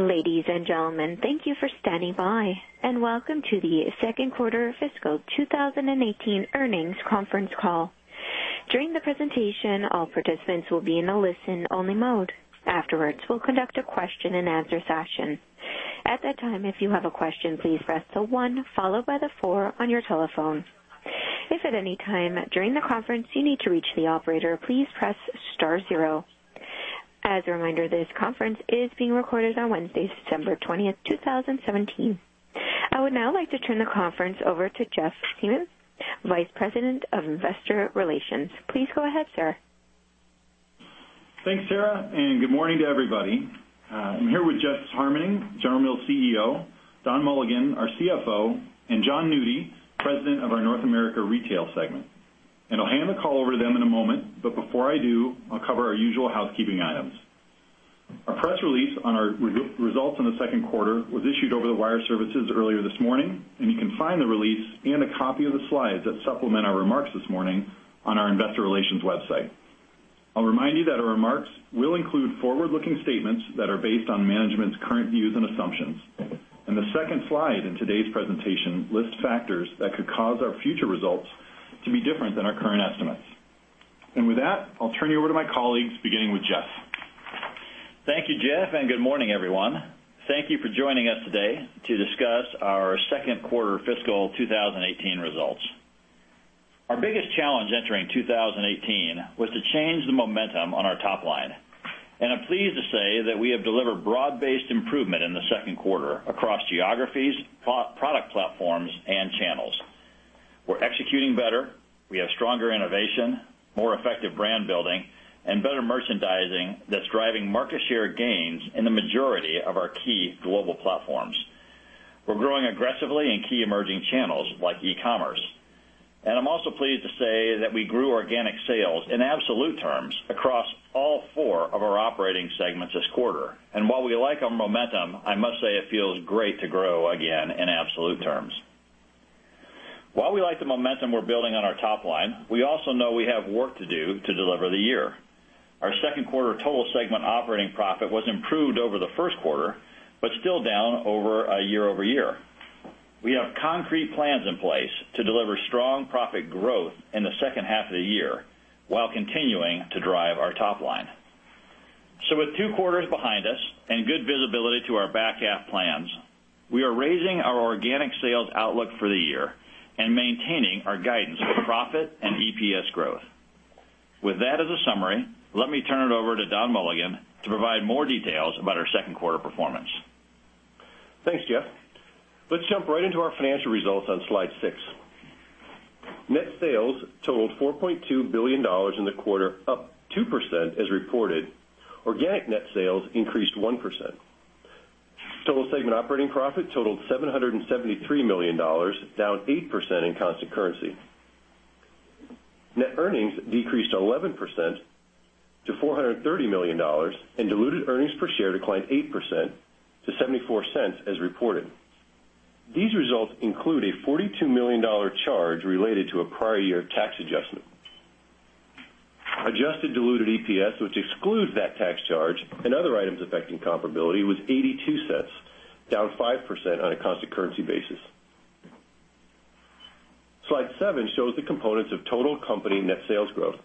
Ladies and gentlemen, thank you for standing by, and welcome to the second quarter fiscal 2018 earnings conference call. During the presentation, all participants will be in a listen-only mode. Afterwards, we'll conduct a question and answer session. At that time, if you have a question, please press the one followed by the four on your telephone. If at any time during the conference you need to reach the operator, please press star zero. As a reminder, this conference is being recorded on Wednesday, December 20th, 2017. I would now like to turn the conference over to Jeff Siemon, Vice President of Investor Relations. Please go ahead, sir. Thanks, Sarah, good morning to everybody. I'm here with Jeff Harmening, General Mills CEO, Don Mulligan, our CFO, and Jon Nudi, President of our North America Retail segment. I'll hand the call over to them in a moment, but before I do, I'll cover our usual housekeeping items. Our press release on our results in the second quarter was issued over the wire services earlier this morning, and you can find the release and a copy of the slides that supplement our remarks this morning on our investor relations website. I'll remind you that our remarks will include forward-looking statements that are based on management's current views and assumptions. The second slide in today's presentation lists factors that could cause our future results to be different than our current estimates. With that, I'll turn you over to my colleagues, beginning with Jeff. Thank you, Jeff, good morning, everyone. Thank you for joining us today to discuss our second quarter fiscal 2018 results. Our biggest challenge entering 2018 was to change the momentum on our top line. I'm pleased to say that we have delivered broad-based improvement in the second quarter across geographies, product platforms, and channels. We're executing better, we have stronger innovation, more effective brand building, and better merchandising that's driving market share gains in the majority of our key global platforms. We're growing aggressively in key emerging channels like e-commerce. I'm also pleased to say that we grew organic sales in absolute terms across all four of our operating segments this quarter. While we like our momentum, I must say it feels great to grow again in absolute terms. While we like the momentum we're building on our top line, we also know we have work to do to deliver the year. Our second quarter total segment operating profit was improved over the first quarter, but still down year-over-year. We have concrete plans in place to deliver strong profit growth in the second half of the year while continuing to drive our top line. With two quarters behind us and good visibility to our back half plans, we are raising our organic sales outlook for the year and maintaining our guidance for profit and EPS growth. With that as a summary, let me turn it over to Don Mulligan to provide more details about our second quarter performance. Thanks, Jeff. Let's jump right into our financial results on slide six. Net sales totaled $4.2 billion in the quarter, up 2% as reported. Organic net sales increased 1%. Total segment operating profit totaled $773 million, down 8% in constant currency. Net earnings decreased 11% to $430 million, and diluted earnings per share declined 8% to $0.74 as reported. These results include a $42 million charge related to a prior year tax adjustment. Adjusted diluted EPS, which excludes that tax charge and other items affecting comparability, was $0.82, down 5% on a constant currency basis. Slide seven shows the components of total company net sales growth.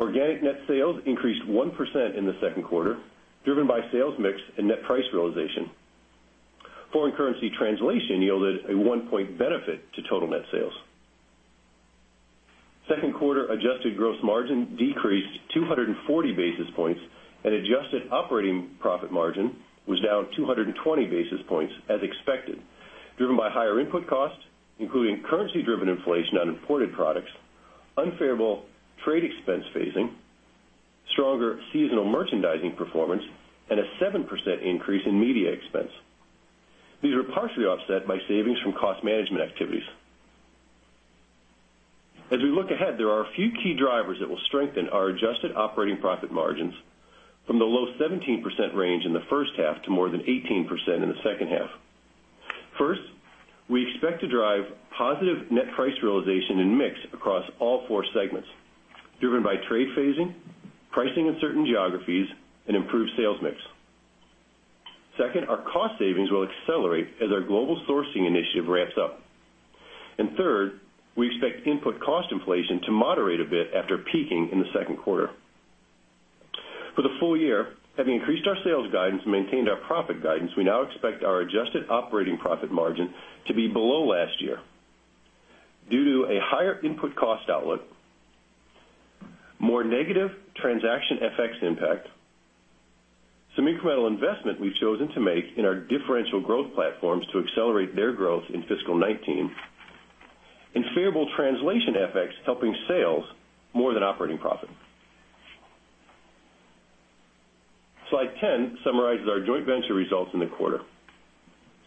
Organic net sales increased 1% in the second quarter, driven by sales mix and net price realization. Foreign currency translation yielded a one point benefit to total net sales. Second quarter adjusted gross margin decreased 240 basis points, and adjusted operating profit margin was down 220 basis points as expected, driven by higher input costs, including currency-driven inflation on imported products, unfavorable trade expense phasing, stronger seasonal merchandising performance, and a 7% increase in media expense. These were partially offset by savings from cost management activities. As we look ahead, there are a few key drivers that will strengthen our adjusted operating profit margins from the low 17% range in the first half to more than 18% in the second half. First, we expect to drive positive net price realization and mix across all four segments, driven by trade phasing, pricing in certain geographies, and improved sales mix. Second, our cost savings will accelerate as our global sourcing initiative ramps up. Third, we expect input cost inflation to moderate a bit after peaking in the second quarter. For the full year, having increased our sales guidance and maintained our profit guidance, we now expect our adjusted operating profit margin to be below last year due to a higher input cost outlook, more negative transaction FX impact, some incremental investment we've chosen to make in our differential growth platforms to accelerate their growth in fiscal 2019, and favorable translation FX helping sales more than operating profit. Slide 10 summarizes our joint venture results in the quarter.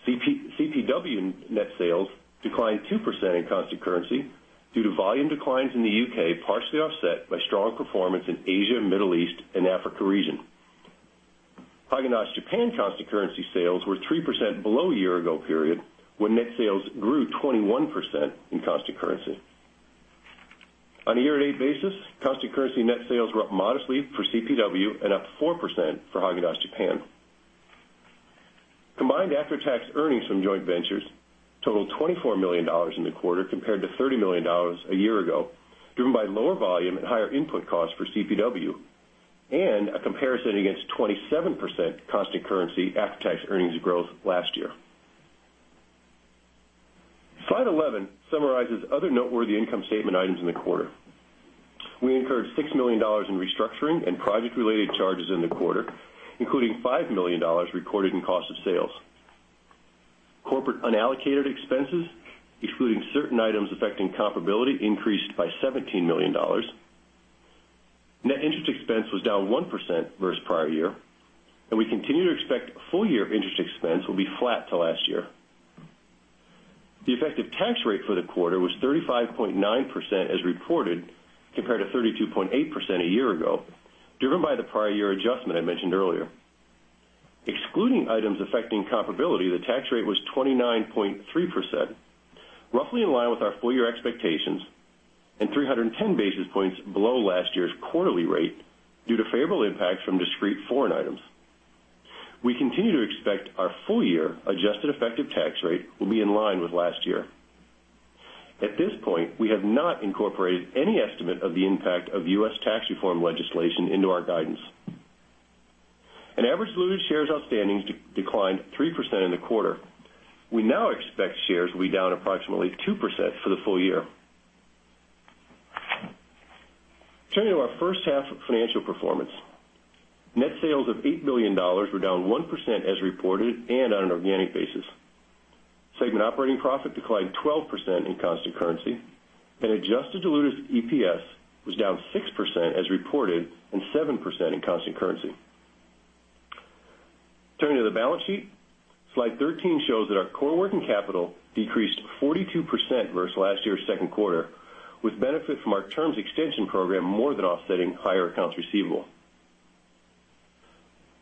CPW net sales declined 2% in constant currency due to volume declines in the U.K., partially offset by strong performance in Asia, Middle East, and Africa region. Häagen-Dazs Japan constant currency sales were 3% below year-ago period, when net sales grew 21% in constant currency. On a year-to-date basis, constant currency net sales were up modestly for CPW and up 4% for Häagen-Dazs Japan. Combined after-tax earnings from joint ventures totaled $24 million in the quarter, compared to $30 million a year ago, driven by lower volume and higher input costs for CPW, and a comparison against 27% constant currency after-tax earnings growth last year. Slide 11 summarizes other noteworthy income statement items in the quarter. We incurred $6 million in restructuring and project-related charges in the quarter, including $5 million recorded in cost of sales. Corporate unallocated expenses, excluding certain items affecting comparability, increased by $17 million. Net interest expense was down 1% versus prior year, and we continue to expect full-year interest expense will be flat to last year. The effective tax rate for the quarter was 35.9% as reported, compared to 32.8% a year ago, driven by the prior year adjustment I mentioned earlier. Excluding items affecting comparability, the tax rate was 29.3%, roughly in line with our full-year expectations and 310 basis points below last year's quarterly rate due to favorable impacts from discrete foreign items. We continue to expect our full-year adjusted effective tax rate will be in line with last year. At this point, we have not incorporated any estimate of the impact of U.S. tax reform legislation into our guidance. Average diluted shares outstanding declined 3% in the quarter. We now expect shares will be down approximately 2% for the full year. Turning to our first half financial performance, net sales of $8 billion were down 1% as reported and on an organic basis. Segment operating profit declined 12% in constant currency, and adjusted diluted EPS was down 6% as reported, and 7% in constant currency. Turning to the balance sheet, slide 13 shows that our core working capital decreased 42% versus last year's second quarter, with benefit from our terms extension program more than offsetting higher accounts receivable.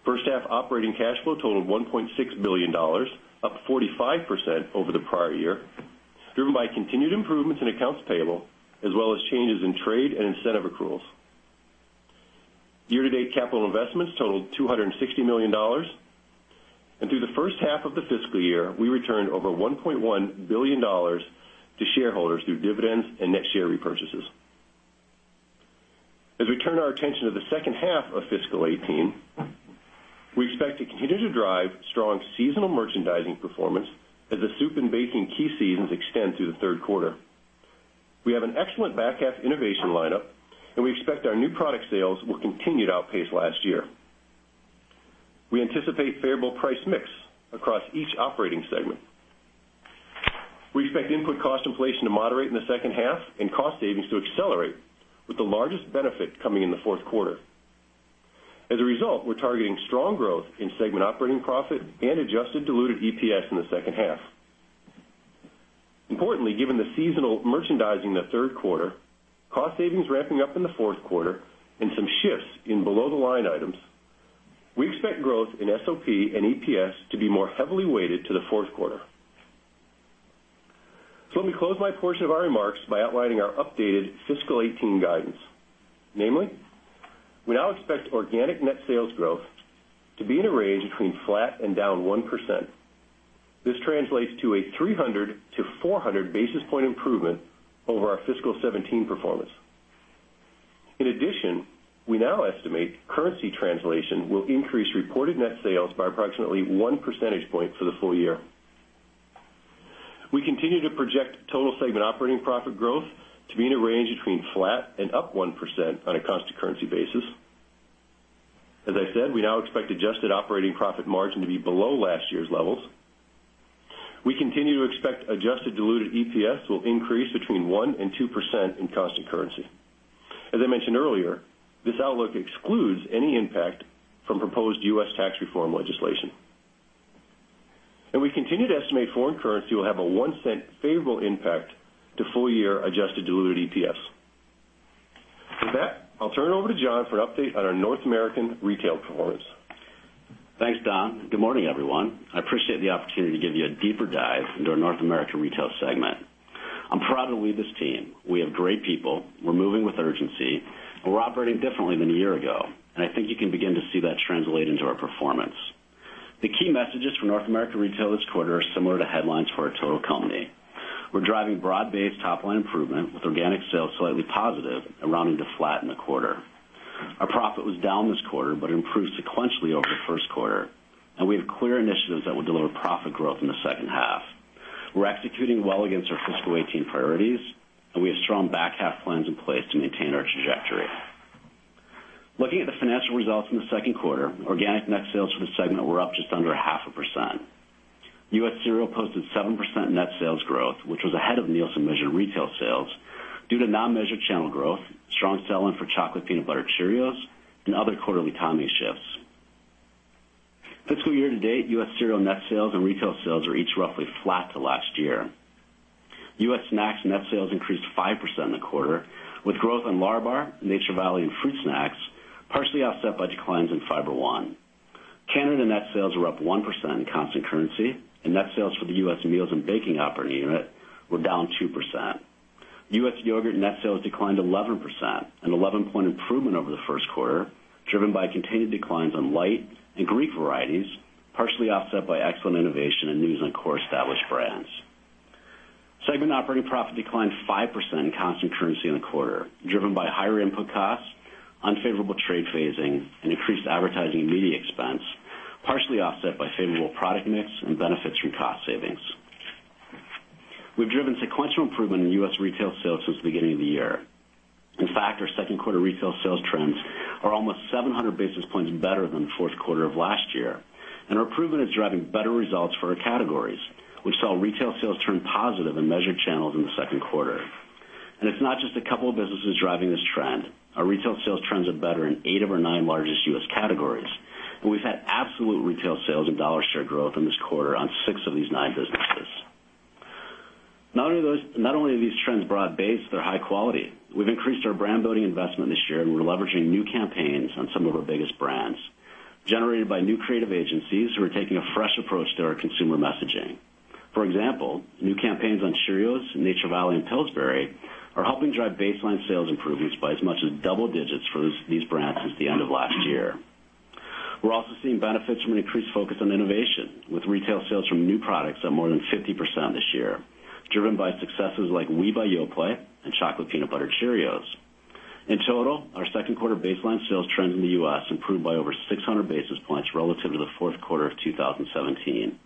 First half operating cash flow totaled $1.6 billion, up 45% over the prior year, driven by continued improvements in accounts payable as well as changes in trade and incentive accruals. Year-to-date capital investments totaled $260 million. Through the first half of the fiscal 2018, we returned over $1.1 billion to shareholders through dividends and net share repurchases. As we turn our attention to the second half of fiscal 2018, we expect to continue to drive strong seasonal merchandising performance as the soup and baking key seasons extend through the third quarter. We have an excellent back-half innovation lineup, and we expect our new product sales will continue to outpace last year. We anticipate favorable price mix across each operating segment. We expect input cost inflation to moderate in the second half and cost savings to accelerate, with the largest benefit coming in the fourth quarter. As a result, we're targeting strong growth in segment operating profit and adjusted diluted EPS in the second half. Importantly, given the seasonal merchandising in the third quarter, cost savings ramping up in the fourth quarter, and some shifts in below-the-line items, we expect growth in SOP and EPS to be more heavily weighted to the fourth quarter. Let me close my portion of our remarks by outlining our updated fiscal 2018 guidance. Namely, we now expect organic net sales growth to be in a range between flat and down 1%. This translates to a 300 to 400 basis point improvement over our fiscal 2017 performance. In addition, we now estimate currency translation will increase reported net sales by approximately one percentage point for the full year. We continue to project total segment operating profit growth to be in a range between flat and up 1% on a constant currency basis. As I said, we now expect adjusted operating profit margin to be below last year's levels. We continue to expect adjusted diluted EPS will increase between 1% and 2% in constant currency. As I mentioned earlier, this outlook excludes any impact from proposed U.S. tax reform legislation. We continue to estimate foreign currency will have a $0.01 favorable impact to full-year adjusted diluted EPS. With that, I'll turn it over to Jon for an update on our North America Retail performance. Thanks, Don. Good morning, everyone. I appreciate the opportunity to give you a deeper dive into our North America Retail segment. I'm proud to lead this team. We have great people, we're moving with urgency, and we're operating differently than a year ago, and I think you can begin to see that translate into our performance. The key messages from North America Retail this quarter are similar to headlines for our total company. We're driving broad-based top-line improvement with organic sales slightly positive and rounding to flat in the quarter. Our profit was down this quarter, but improved sequentially over the first quarter, and we have clear initiatives that will deliver profit growth in the second half. We're executing well against our FY 2018 priorities, and we have strong back-half plans in place to maintain our trajectory. Looking at the financial results in the second quarter, organic net sales for the segment were up just under half a percent. U.S. Cereal posted 7% net sales growth, which was ahead of Nielsen measured retail sales due to non-measured channel growth, strong selling for Chocolate Peanut Butter Cheerios, and other quarterly timing shifts. Fiscal year-to-date, U.S. Cereal net sales and retail sales are each roughly flat to last year. U.S. Snacks net sales increased 5% in the quarter, with growth in LÄRABAR, Nature Valley, and Fruit Snacks partially offset by declines in Fiber One. Canada net sales were up 1% in constant currency, and net sales for the U.S. Meals and Baking operating unit were down 2%. U.S. yogurt net sales declined 11%, an 11-point improvement over the first quarter, driven by continued declines on light and Greek varieties, partially offset by excellent innovation and news on core established brands. Segment operating profit declined 5% in constant currency in the quarter, driven by higher input costs, unfavorable trade phasing, and increased advertising and media expense, partially offset by favorable product mix and benefits from cost savings. We've driven sequential improvement in U.S. retail sales since the beginning of the year. In fact, our second quarter retail sales trends are almost 700 basis points better than the fourth quarter of last year. Our improvement is driving better results for our categories, which saw retail sales turn positive in measured channels in the second quarter. It's not just a couple of businesses driving this trend. Our retail sales trends are better in eight of our nine largest U.S. categories, and we've had absolute retail sales and dollar share growth in this quarter on six of these nine businesses. Not only are these trends broad-based, they're high quality. We've increased our brand building investment this year, and we're leveraging new campaigns on some of our biggest brands, generated by new creative agencies who are taking a fresh approach to our consumer messaging. For example, new campaigns on Cheerios, Nature Valley, and Pillsbury are helping drive baseline sales improvements by as much as double digits for these brands since the end of last year. We're also seeing benefits from an increased focus on innovation, with retail sales from new products up more than 50% this year, driven by successes like Oui by Yoplait and Chocolate Peanut Butter Cheerios. In total, our second quarter baseline sales trends in the U.S. improved by over 600 basis points relative to the fourth quarter of 2017.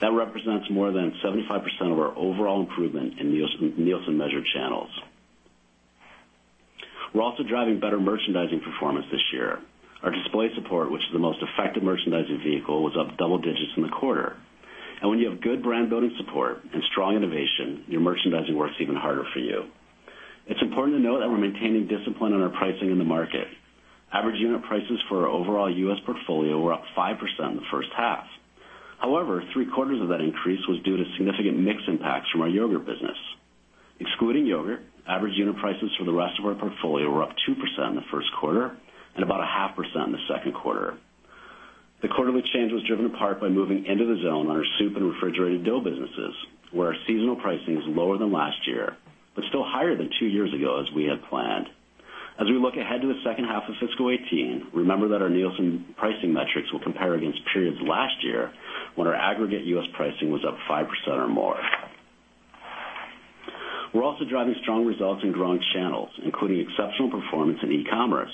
That represents more than 75% of our overall improvement in Nielsen measured channels. We're also driving better merchandising performance this year. Our display support, which is the most effective merchandising vehicle, was up double digits in the quarter. When you have good brand building support and strong innovation, your merchandising works even harder for you. It's important to note that we're maintaining discipline on our pricing in the market. Average unit prices for our overall U.S. portfolio were up 5% in the first half. Three-quarters of that increase was due to significant mix impacts from our yogurt business. Excluding yogurt, average unit prices for the rest of our portfolio were up 2% in the first quarter and about a half percent in the second quarter. The quarter mix change was driven in part by moving into the zone on our soup and refrigerated dough businesses, where our seasonal pricing is lower than last year, but still higher than two years ago as we had planned. As we look ahead to the second half of fiscal 2018, remember that our Nielsen pricing metrics will compare against periods last year when our aggregate U.S. pricing was up 5% or more. We're also driving strong results in growing channels, including exceptional performance in e-commerce.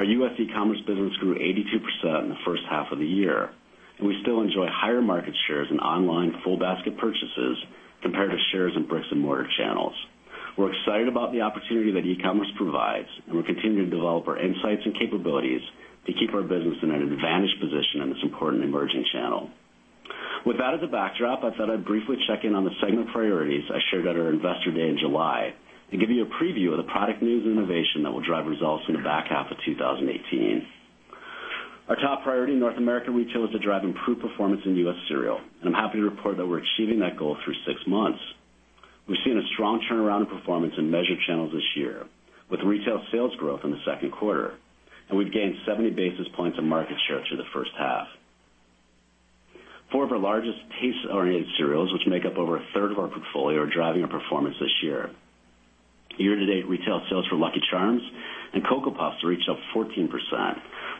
Our U.S. e-commerce business grew 82% in the first half of the year, and we still enjoy higher market shares in online full basket purchases compared to shares in bricks and mortar channels. We're excited about the opportunity that e-commerce provides, and we're continuing to develop our insights and capabilities to keep our business in an advantaged position in this important emerging channel. With that as a backdrop, I thought I'd briefly check in on the segment priorities I shared at our Investor Day in July and give you a preview of the product news and innovation that will drive results in the back half of 2018. Our top priority in North America Retail is to drive improved performance in U.S. cereal, and I'm happy to report that we're achieving that goal through six months. We've seen a strong turnaround in performance in measured channels this year with retail sales growth in the second quarter, and we've gained 70 basis points of market share through the first half. Four of our largest taste-oriented cereals, which make up over a third of our portfolio, are driving our performance this year. Year-to-date retail sales for Lucky Charms and Cocoa Puffs are each up 14%,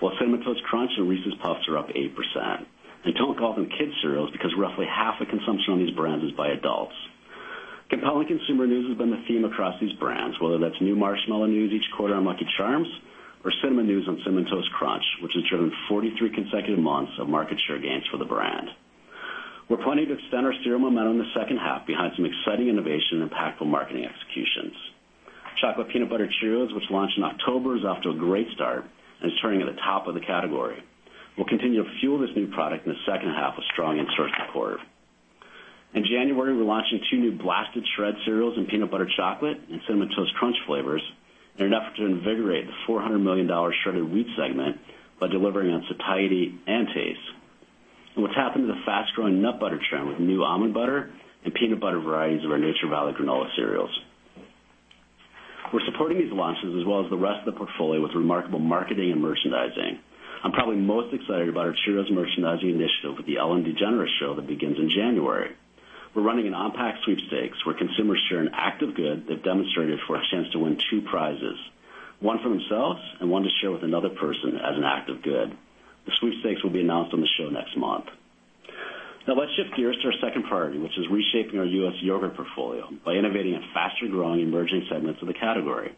while Cinnamon Toast Crunch and Reese's Puffs are up 8%. Don't call them kids' cereals because roughly half the consumption on these brands is by adults. Compelling consumer news has been the theme across these brands, whether that's new marshmallow news each quarter on Lucky Charms or cinnamon news on Cinnamon Toast Crunch, which has driven 43 consecutive months of market share gains for the brand. We're planning to extend our cereal momentum in the second half behind some exciting innovation and impactful marketing executions. Chocolate Peanut Butter Cheerios, which launched in October, is off to a great start and is trending at the top of the category. We'll continue to fuel this new product in the second half with strong in-store support. In January, we're launching two new Blasted Shreds cereals in peanut butter chocolate and Cinnamon Toast Crunch flavors in an effort to invigorate the $400 million shredded wheat segment by delivering on satiety and taste. We're tapping into the fast-growing nut butter trend with new almond butter and peanut butter varieties of our Nature Valley Granola cereals. We're supporting these launches as well as the rest of the portfolio with remarkable marketing and merchandising. I'm probably most excited about our Cheerios merchandising initiative with The Ellen DeGeneres Show that begins in January. We're running an on-pack sweepstakes where consumers share an act of good they've demonstrated for a chance to win two prizes, one for themselves and one to share with another person as an act of good. The sweepstakes will be announced on the show next month. Let's shift gears to our second priority, which is reshaping our U.S. yogurt portfolio by innovating in faster growing emerging segments of the category.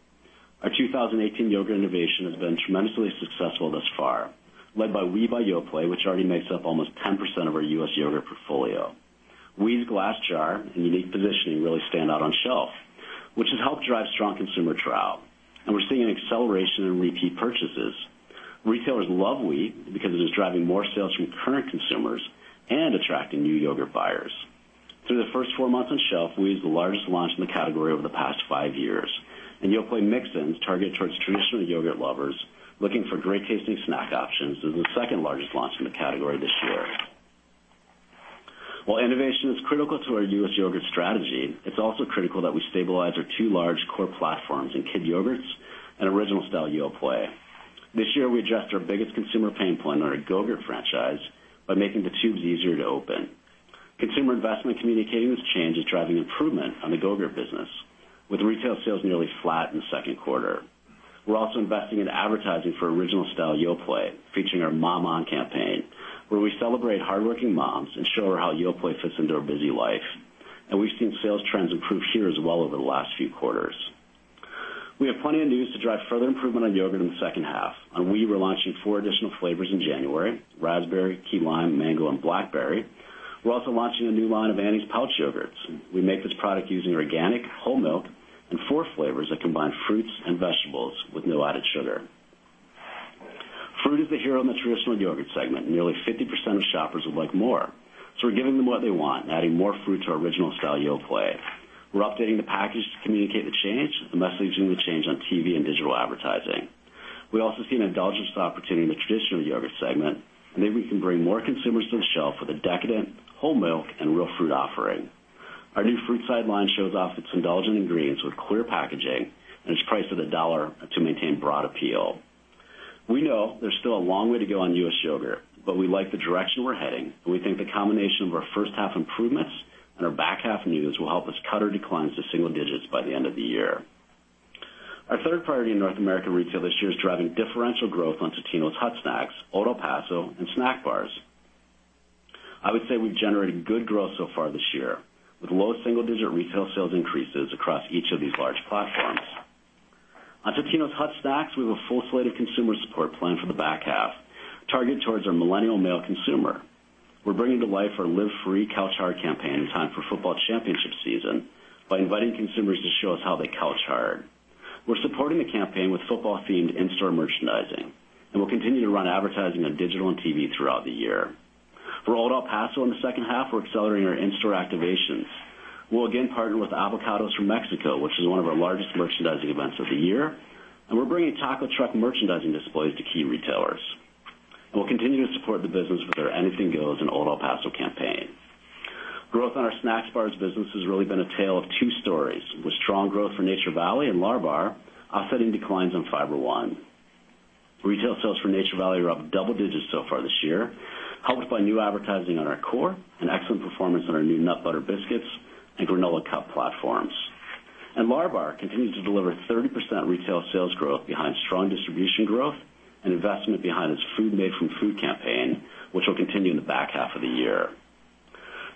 Our 2018 yogurt innovation has been tremendously successful thus far, led by Oui by Yoplait, which already makes up almost 10% of our U.S. yogurt portfolio. Oui's glass jar and unique positioning really stand out on shelf, which has helped drive strong consumer trial, we're seeing an acceleration in repeat purchases. Retailers love Oui because it is driving more sales from current consumers and attracting new yogurt buyers. Through the first four months on shelf, Oui is the largest launch in the category over the past five years, Yoplait Mix-Ins, targeted towards traditional yogurt lovers looking for great-tasting snack options, is the second largest launch in the category this year. While innovation is critical to our U.S. yogurt strategy, it's also critical that we stabilize our two large core platforms in Kid Yogurts and Original Style Yoplait. This year, we addressed our biggest consumer pain point on our Go-Gurt franchise by making the tubes easier to open. Consumer investment communicating this change is driving improvement on the Go-Gurt business, with retail sales nearly flat in the second quarter. We're also investing in advertising for Original Style Yoplait, featuring our Mom On campaign, where we celebrate hardworking moms and show her how Yoplait fits into her busy life. We've seen sales trends improve here as well over the last few quarters. We have plenty of news to drive further improvement on yogurt in the second half, we are launching four additional flavors in January, raspberry, key lime, mango, and blackberry. We're also launching a new line of Annie's pouch yogurts. We make this product using organic whole milk and four flavors that combine fruits and vegetables with no added sugar. Fruit is the hero in the traditional yogurt segment. Nearly 50% of shoppers would like more, we're giving them what they want and adding more fruit to our Original Style Yoplait. We're updating the package to communicate the change and messaging the change on TV and digital advertising. We also see an indulgence opportunity in the traditional yogurt segment. Maybe we can bring more consumers to the shelf with a decadent whole milk and real fruit offering. Our new FruitSide line shows off its indulgent ingredients with clear packaging. It is priced at $1 to maintain broad appeal. We know there is still a long way to go on U.S. yogurt, but we like the direction we are heading. We think the combination of our first half improvements and our back half news will help us cut our declines to single digits by the end of the year. Our third priority in North America Retail this year is driving differential growth on Totino's Hot Snacks, Old El Paso, and Snack Bars. I would say we have generated good growth so far this year with low single-digit retail sales increases across each of these large platforms. On Totino's Hot Snacks, we have a full slate of consumer support planned for the back half, targeted towards our millennial male consumer. We are bringing to life our Live Free. Couch Hard. campaign in time for football championship season by inviting consumers to show us how they couch hard. We are supporting the campaign with football-themed in-store merchandising. We will continue to run advertising on digital and TV throughout the year. For Old El Paso in the second half, we are accelerating our in-store activations. We will again partner with Avocados From Mexico, which is one of our largest merchandising events of the year. We are bringing taco truck merchandising displays to key retailers. We will continue to support the business with our Anything Goes in Old El Paso campaign. Growth on our Snack Bars business has really been a tale of two stories. With strong growth for Nature Valley and LÄRABAR offsetting declines on Fiber One. Retail sales for Nature Valley are up double digits so far this year, helped by new advertising on our core and excellent performance on our new Nature Valley Biscuits and Granola Cups platforms. LÄRABAR continues to deliver 30% retail sales growth behind strong distribution growth and investment behind its Food Made From Food campaign, which will continue in the back half of the year.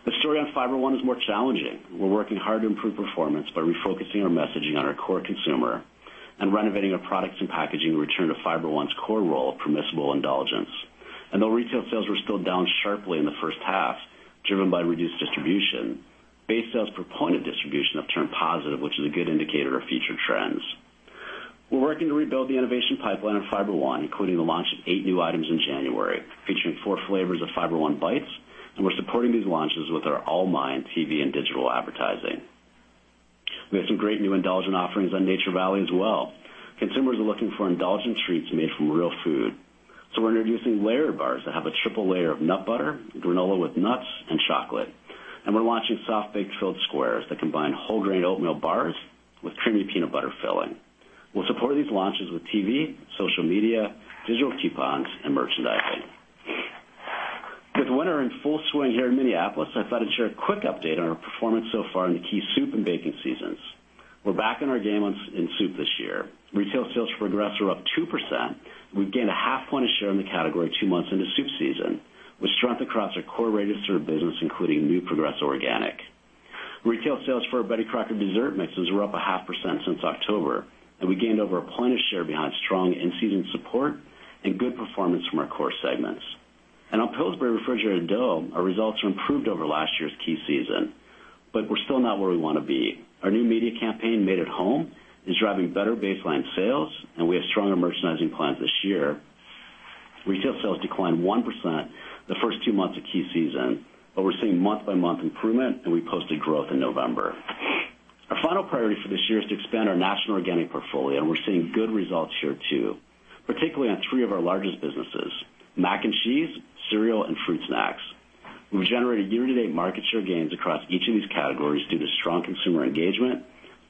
The story on Fiber One is more challenging. We are working hard to improve performance by refocusing our messaging on our core consumer and renovating our products and packaging to return to Fiber One's core role of permissible indulgence. Though retail sales were still down sharply in the first half, driven by reduced distribution, base sales per point of distribution have turned positive, which is a good indicator of future trends. We are working to rebuild the innovation pipeline on Fiber One, including the launch of eight new items in January, featuring four flavors of Fiber One Bites. We are supporting these launches with our All Mine TV and digital advertising. We have some great new indulgent offerings on Nature Valley as well. Consumers are looking for indulgent treats made from real food, so we are introducing layered bars that have a triple layer of nut butter, granola with nuts, and chocolate. We are launching soft-baked filled squares that combine whole grain oatmeal bars with creamy peanut butter filling. We will support these launches with TV, social media, digital coupons, and merchandising. With winter in full swing here in Minneapolis, I thought I would share a quick update on our performance so far in the key soup and baking seasons. We are back in our game in soup this year. Retail sales for Progresso are up 2%, and we've gained a half point of share in the category 2 months into soup season with strength across our core ready-to-serve business, including new Progresso Organic. Retail sales for our Betty Crocker dessert mixes were up a half percent since October, and we gained over one point of share behind strong in-season support and good performance from our core segments. On Pillsbury refrigerated dough, our results are improved over last year's key season, but we're still not where we want to be. Our new media campaign, Made at Home, is driving better baseline sales, and we have stronger merchandising plans this year. Retail sales declined 1% the first two months of key season, but we're seeing month-on-month improvement. We posted growth in November. Our final priority for this year is to expand our national organic portfolio, and we're seeing good results here too, particularly on three of our largest businesses, mac and cheese, cereal, and Fruit Snacks. We've generated year-to-date market share gains across each of these categories due to strong consumer engagement,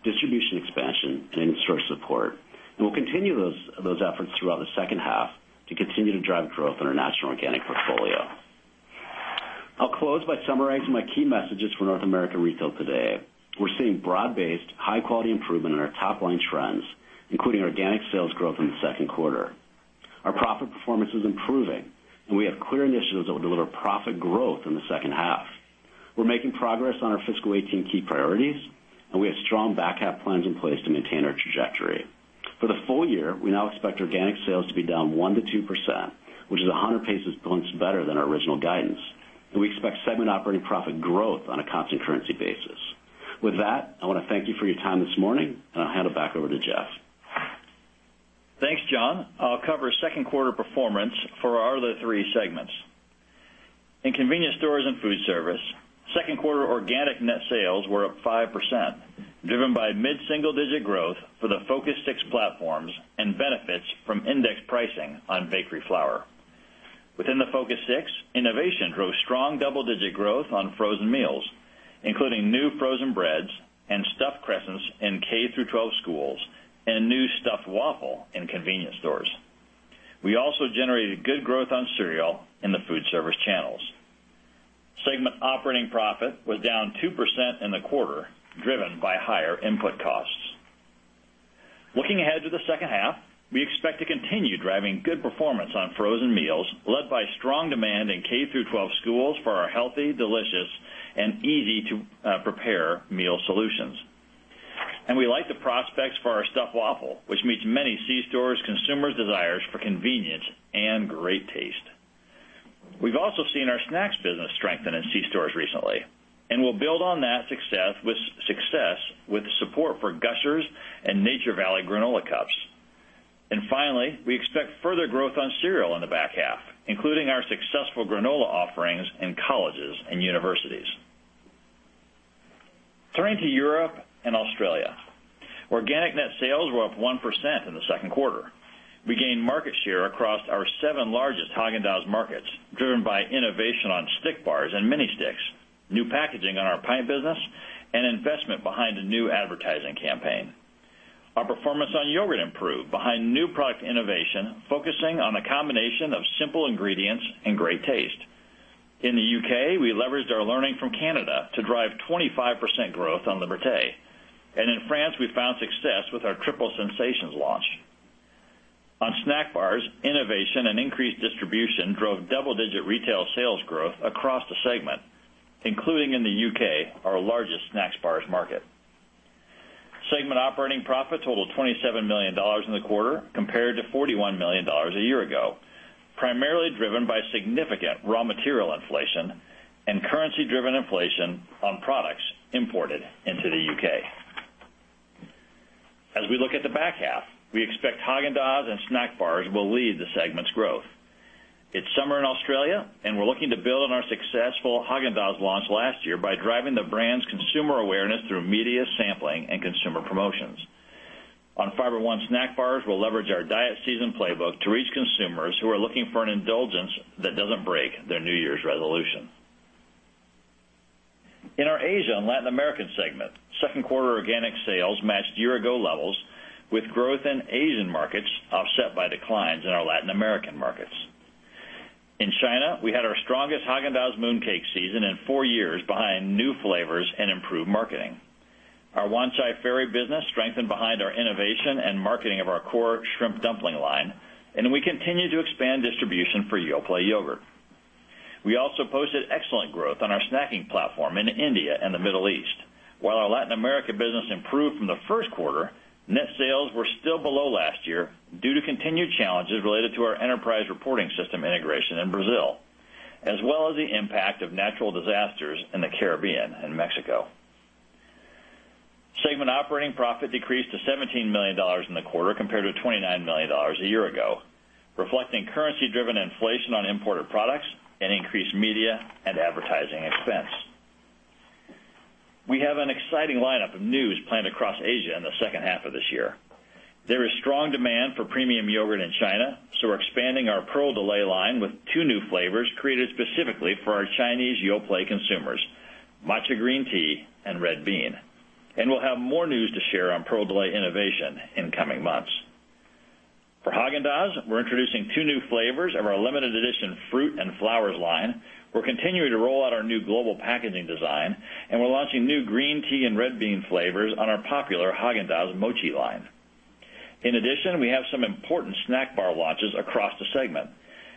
distribution expansion, and in-store support. We'll continue those efforts throughout the second half to continue to drive growth in our national organic portfolio. I'll close by summarizing my key messages for North America Retail today. We're seeing broad-based, high-quality improvement in our top-line trends, including organic sales growth in the second quarter. Our profit performance is improving, and we have clear initiatives that will deliver profit growth in the second half. We're making progress on our fiscal 2018 key priorities, and we have strong back half plans in place to maintain our trajectory. For the full year, we now expect organic sales to be down 1%-2%, which is 100 basis points better than our original guidance, and we expect segment operating profit growth on a constant currency basis. With that, I want to thank you for your time this morning, and I'll hand it back over to Jeff. Thanks, Jon. I'll cover second quarter performance for our other three segments. In Convenience Stores and Foodservice, second quarter organic net sales were up 5%. Driven by mid-single-digit growth for the Focus 6 platforms and benefits from index pricing on bakery flour. Within the Focus 6, innovation drove strong double-digit growth on frozen meals, including new frozen breads and stuffed crescents in K-12 schools and a new stuffed waffle in convenience stores. We also generated good growth on cereal in the foodservice channels. Segment operating profit was down 2% in the quarter, driven by higher input costs. Looking ahead to the second half, we expect to continue driving good performance on frozen meals led by strong demand in K-12 schools for our healthy, delicious, and easy-to-prepare meal solutions. We like the prospects for our stuffed waffle, which meets many C-stores consumers' desires for convenience and great taste. We've also seen our snacks business strengthen in C-stores recently, and we'll build on that success with support for Gushers and Nature Valley Granola Cups. Finally, we expect further growth on cereal in the back half, including our successful granola offerings in colleges and universities. Turning to Europe and Australia. Organic net sales were up 1% in the second quarter. We gained market share across our seven largest Häagen-Dazs markets, driven by innovation on stick bars and mini sticks, new packaging on our pint business, and investment behind a new advertising campaign. Our performance on yogurt improved behind new product innovation, focusing on a combination of simple ingredients and great taste. In the U.K., we leveraged our learning from Canada to drive 25% growth on Liberté. In France, we found success with our Triple Sensations launch. On snack bars, innovation and increased distribution drove double-digit retail sales growth across the segment, including in the U.K., our largest snack bars market. Segment operating profit totaled $27 million in the quarter compared to $41 million a year ago, primarily driven by significant raw material inflation and currency-driven inflation on products imported into the U.K. As we look at the back half, we expect Häagen-Dazs and snack bars will lead the segment's growth. It's summer in Australia, and we're looking to build on our successful Häagen-Dazs launch last year by driving the brand's consumer awareness through media sampling and consumer promotions. On Fiber One snack bars, we'll leverage our diet season playbook to reach consumers who are looking for an indulgence that doesn't break their New Year's Resolution. In our Asia and Latin American segment, second quarter organic sales matched year-ago levels with growth in Asian markets offset by declines in our Latin American markets. In China, we had our strongest Häagen-Dazs mooncake season in four years behind new flavors and improved marketing. Our Wanchai Ferry business strengthened behind our innovation and marketing of our core shrimp dumpling line, and we continue to expand distribution for Yoplait yogurt. We also posted excellent growth on our snacking platform in India and the Middle East. While our Latin America business improved from the first quarter, net sales were still below last year due to continued challenges related to our enterprise reporting system integration in Brazil, as well as the impact of natural disasters in the Caribbean and Mexico. Segment operating profit decreased to $17 million in the quarter compared to $29 million a year ago, reflecting currency-driven inflation on imported products and increased media and advertising expense. We have an exciting lineup of news planned across Asia in the second half of this year. There is strong demand for premium yogurt in China, so we're expanding our Perle de Lait line with two new flavors created specifically for our Chinese Yoplait consumers, matcha green tea and red bean. We'll have more news to share on Perle de Lait innovation in coming months. For Häagen-Dazs, we're introducing two new flavors of our limited edition fruit and flowers line. We're continuing to roll out our new global packaging design, and we're launching new green tea and red bean flavors on our popular Häagen-Dazs Mochi line. In addition, we have some important snack bar launches across the segment,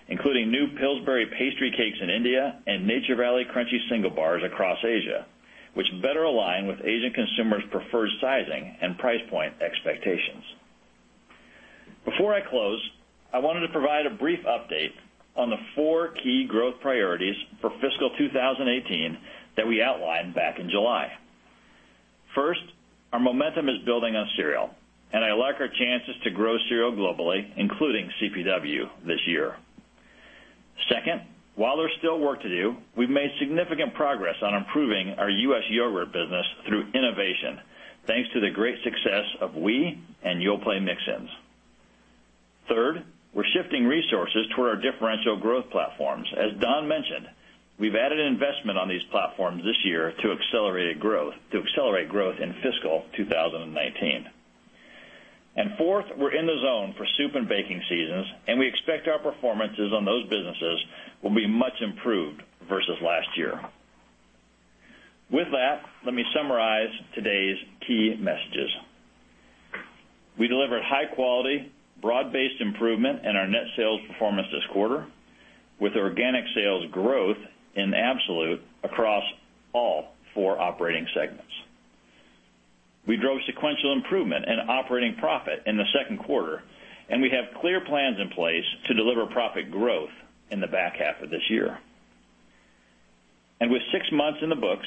including new Pillsbury Pastry Cakes in India and Nature Valley crunchy single bars across Asia, which better align with Asian consumers' preferred sizing and price point expectations. Before I close, I wanted to provide a brief update on the four key growth priorities for fiscal 2018 that we outlined back in July. First, our momentum is building on cereal, and I like our chances to grow cereal globally, including CPW this year. Second, while there's still work to do, we've made significant progress on improving our U.S. yogurt business through innovation, thanks to the great success of Oui and Yoplait Mix-Ins. Third, we're shifting resources toward our differential growth platforms. As Don mentioned, we've added investment on these platforms this year to accelerate growth in fiscal 2019. Fourth, we're in the zone for soup and baking seasons, and we expect our performances on those businesses will be much improved versus last year. With that, let me summarize today's key messages. We delivered high quality, broad-based improvement in our net sales performance this quarter with organic sales growth in absolute across all four operating segments. We drove sequential improvement in operating profit in the second quarter, and we have clear plans in place to deliver profit growth in the back half of this year. With six months in the books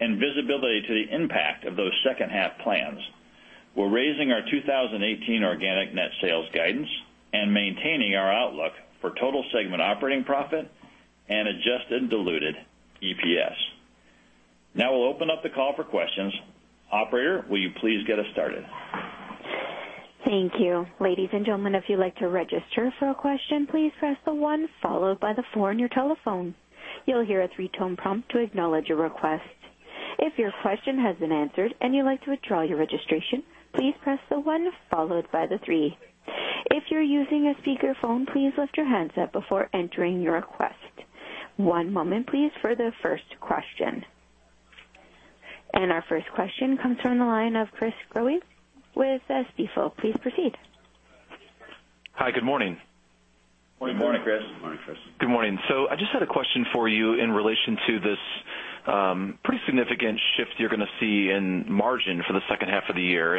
and visibility to the impact of those second half plans, we're raising our 2018 organic net sales guidance and maintaining our outlook for total segment operating profit and adjusted diluted EPS. Now we'll open up the call for questions. Operator, will you please get us started? Thank you. Ladies and gentlemen, if you'd like to register for a question, please press the one followed by the four on your telephone. You'll hear a three-tone prompt to acknowledge your request. If your question has been answered and you'd like to withdraw your registration, please press the one followed by the three. If you're using a speakerphone, please lift your handset before entering your request. One moment, please, for the first question. Our first question comes from the line of Chris Growe with Stifel. Please proceed. Hi. Good morning. Good morning, Chris. Good morning. I just had a question for you in relation to this pretty significant shift you're going to see in margin for the second half of the year,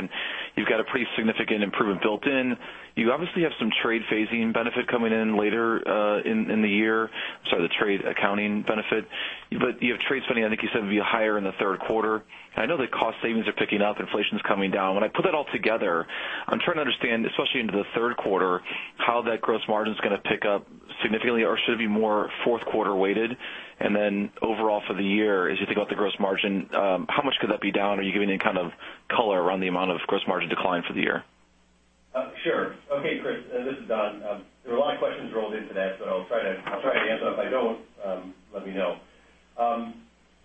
you've got a pretty significant improvement built in. You obviously have some trade phasing benefit coming in later in the year. Sorry, the trade accounting benefit. You have trade spending, I think you said, would be higher in the third quarter. I know that cost savings are picking up, inflation's coming down. When I put that all together, I'm trying to understand, especially into the third quarter, how that gross margin is going to pick up significantly, or should it be more fourth quarter weighted? Overall for the year, as you think about the gross margin, how much could that be down? Are you giving any kind of color around the amount of gross margin decline for the year? Sure. Okay, Chris, this is Don. There are a lot of questions rolled into that, I'll try to answer. If I don't, let me know.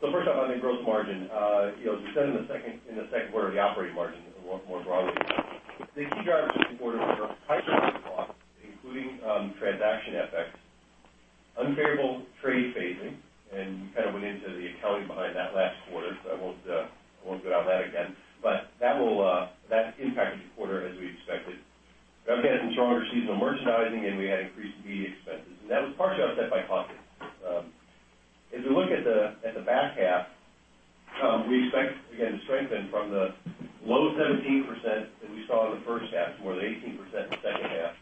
First off, on the gross margin. To spend in the second quarter, the operating margin, more broadly. The key drivers in the fourth quarter were higher costs, including transaction FX, unfavorable trade phasing, you kind of went into the accounting behind that last quarter, I won't go down that again. That impacted the quarter as we expected. Again, some stronger seasonal merchandising, we had increased D&A expenses, that was partially offset by cost. We look at the back half, we expect, again, to strengthen from the low 17% that we saw in the first half to more than 18% in the second half.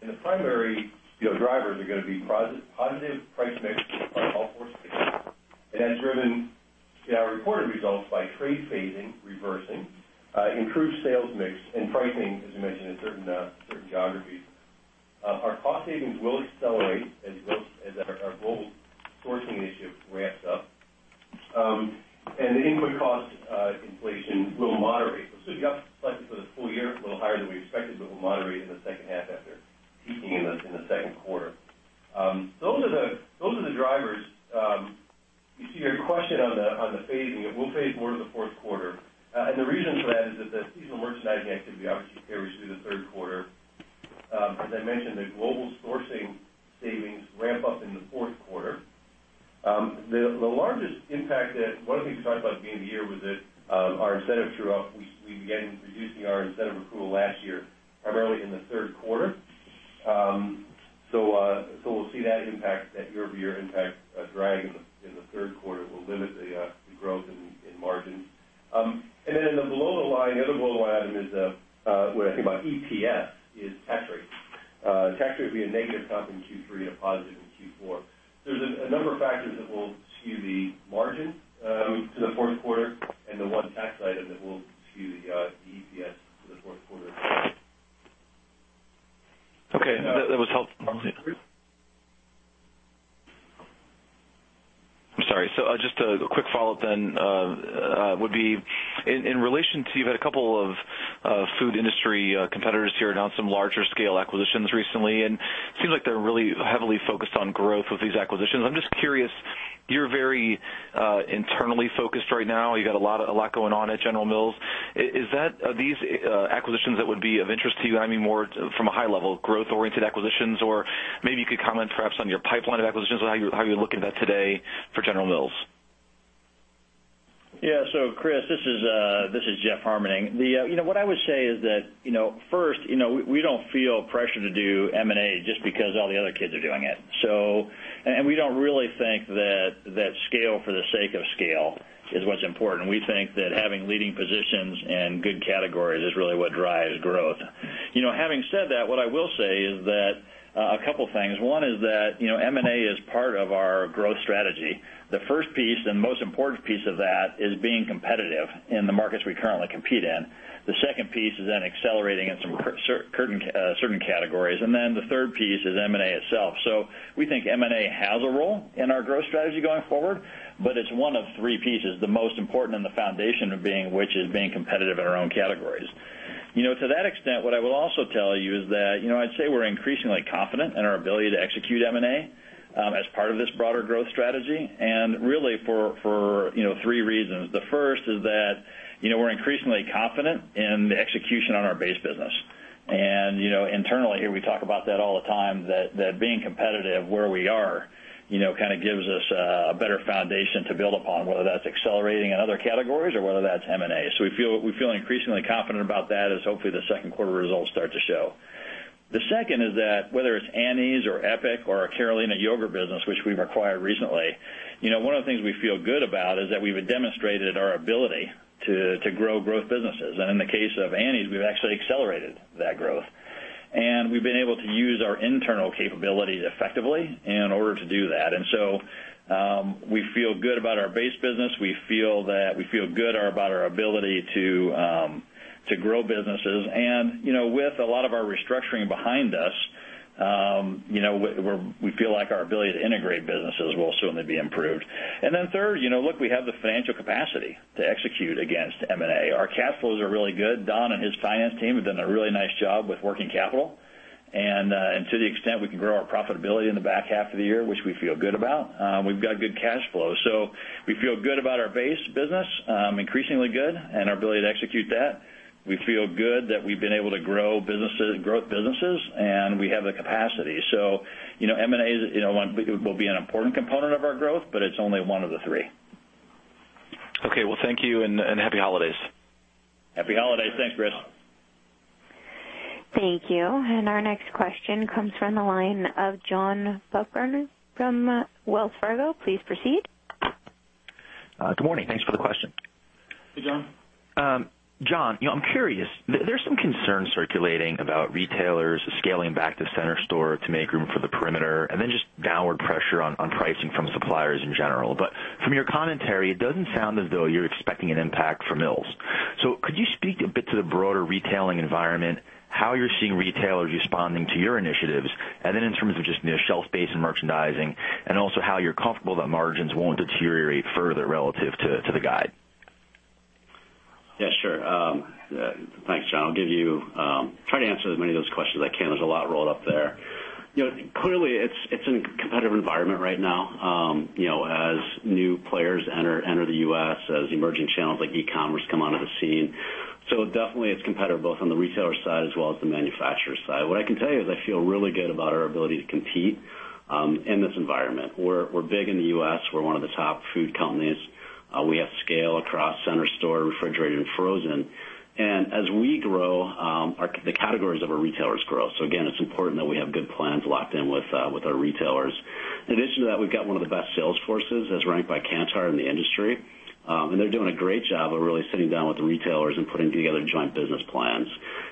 The primary drivers are going to be positive price mix on all four segments. It has driven our reported results by trade phasing reversing, improved sales mix, and pricing, as we mentioned, in certain geographies. Our cost savings will accelerate as our global sourcing initiative ramps up. The input cost inflation will moderate. We'll see it up slightly for the full year, a little higher than we expected, but we'll moderate in the second half after peaking in the second quarter. Those are the drivers. You see your question on the phasing. It will phase more to the fourth quarter. The reason for that is that the seasonal merchandising activity obviously carries through the third quarter. As I mentioned, the global sourcing savings ramp up in the fourth quarter. The largest impact, one of the things we talked about at the beginning of the year was that our incentive true-up, we began reducing our incentive accrual last year, primarily in the third quarter. We'll see that impact, that year-over-year impact dragging in the third quarter will limit the growth in margins. In the below the line, the other below the line item is when I think about EPS is tax rate. Tax rate will be a negative something Q3, a positive in Q4. There's a number of factors that will skew the margin to the fourth quarter and the one tax item that will skew the EPS to the fourth quarter. Okay. That was helpful. I'm sorry. Just a quick follow-up then would be in relation to you've had a couple of food industry competitors here announce some larger scale acquisitions recently, and it seems like they're really heavily focused on growth with these acquisitions. I'm just curious, you're very internally focused right now. You got a lot going on at General Mills. Is that these acquisitions that would be of interest to you? I mean, more from a high level, growth oriented acquisitions, or maybe you could comment perhaps on your pipeline of acquisitions and how you're looking at that today for General Mills. Yeah. Chris, this is Jeff Harmening. What I would say is that, first, we don't feel pressure to do M&A just because all the other kids are doing it. We don't really think that scale for the sake of scale is what's important. We think that having leading positions in good categories is really what drives growth. Having said that, what I will say is that a couple of things. One is that M&A is part of our growth strategy. The first piece and most important piece of that is being competitive in the markets we currently compete in. The second piece is then accelerating in some certain categories. The third piece is M&A itself. We think M&A has a role in our growth strategy going forward, but it's one of three pieces. The most important and the foundation of being, which is being competitive in our own categories. To that extent, what I will also tell you is that, I'd say we're increasingly confident in our ability to execute M&A as part of this broader growth strategy and really for three reasons. The first is that we're increasingly confident in the execution on our base business. Internally here, we talk about that all the time, that being competitive where we are kind of gives us a better foundation to build upon, whether that's accelerating in other categories or whether that's M&A. We feel increasingly confident about that as hopefully the second quarter results start to show. The second is that whether it's Annie's or EPIC or our Carolina Yogurt business, which we've acquired recently, one of the things we feel good about is that we've demonstrated our ability to grow growth businesses. In the case of Annie's, we've actually accelerated that growth. We've been able to use our internal capabilities effectively in order to do that. We feel good about our base business. We feel good about our ability to grow businesses. With a lot of our restructuring behind us, we feel like our ability to integrate businesses will soon be improved. Third, look, we have the financial capacity to execute against M&A. Our cash flows are really good. Don and his finance team have done a really nice job with working capital. To the extent we can grow our profitability in the back half of the year, which we feel good about, we've got good cash flow. We feel good about our base business, increasingly good, and our ability to execute that. We feel good that we've been able to grow businesses and we have the capacity. M&A will be an important component of our growth, but it's only one of the three. Okay. Well, thank you and happy holidays. Happy holidays. Thanks, Chris. Thank you. Our next question comes from the line of John Baumgartner from Wells Fargo. Please proceed. Good morning. Thanks for the question. Hey, John. Jon, I'm curious, there's some concern circulating about retailers scaling back to center store to make room for the perimeter, then just downward pressure on pricing from suppliers in general. From your commentary, it doesn't sound as though you're expecting an impact from Mills. Could you speak a bit to the broader retailing environment, how you're seeing retailers responding to your initiatives, then in terms of just shelf space and merchandising, and also how you're comfortable that margins won't deteriorate further relative to the guide? Yeah, sure. Thanks, John. I'll try to answer as many of those questions as I can. There's a lot rolled up there. Clearly, it's a competitive environment right now as new players enter the U.S., as emerging channels like e-commerce come onto the scene. Definitely, it's competitive both on the retailer side as well as the manufacturer side. What I can tell you is I feel really good about our ability to compete in this environment. We're big in the U.S. We're one of the top food companies. We have scale across center store, refrigerated, and frozen. As we grow, the categories of our retailers grow. Again, it's important that we have good plans locked in with our retailers. In addition to that, we've got one of the best sales forces as ranked by Kantar in the industry, and they're doing a great job of really sitting down with the retailers and putting together joint business plans.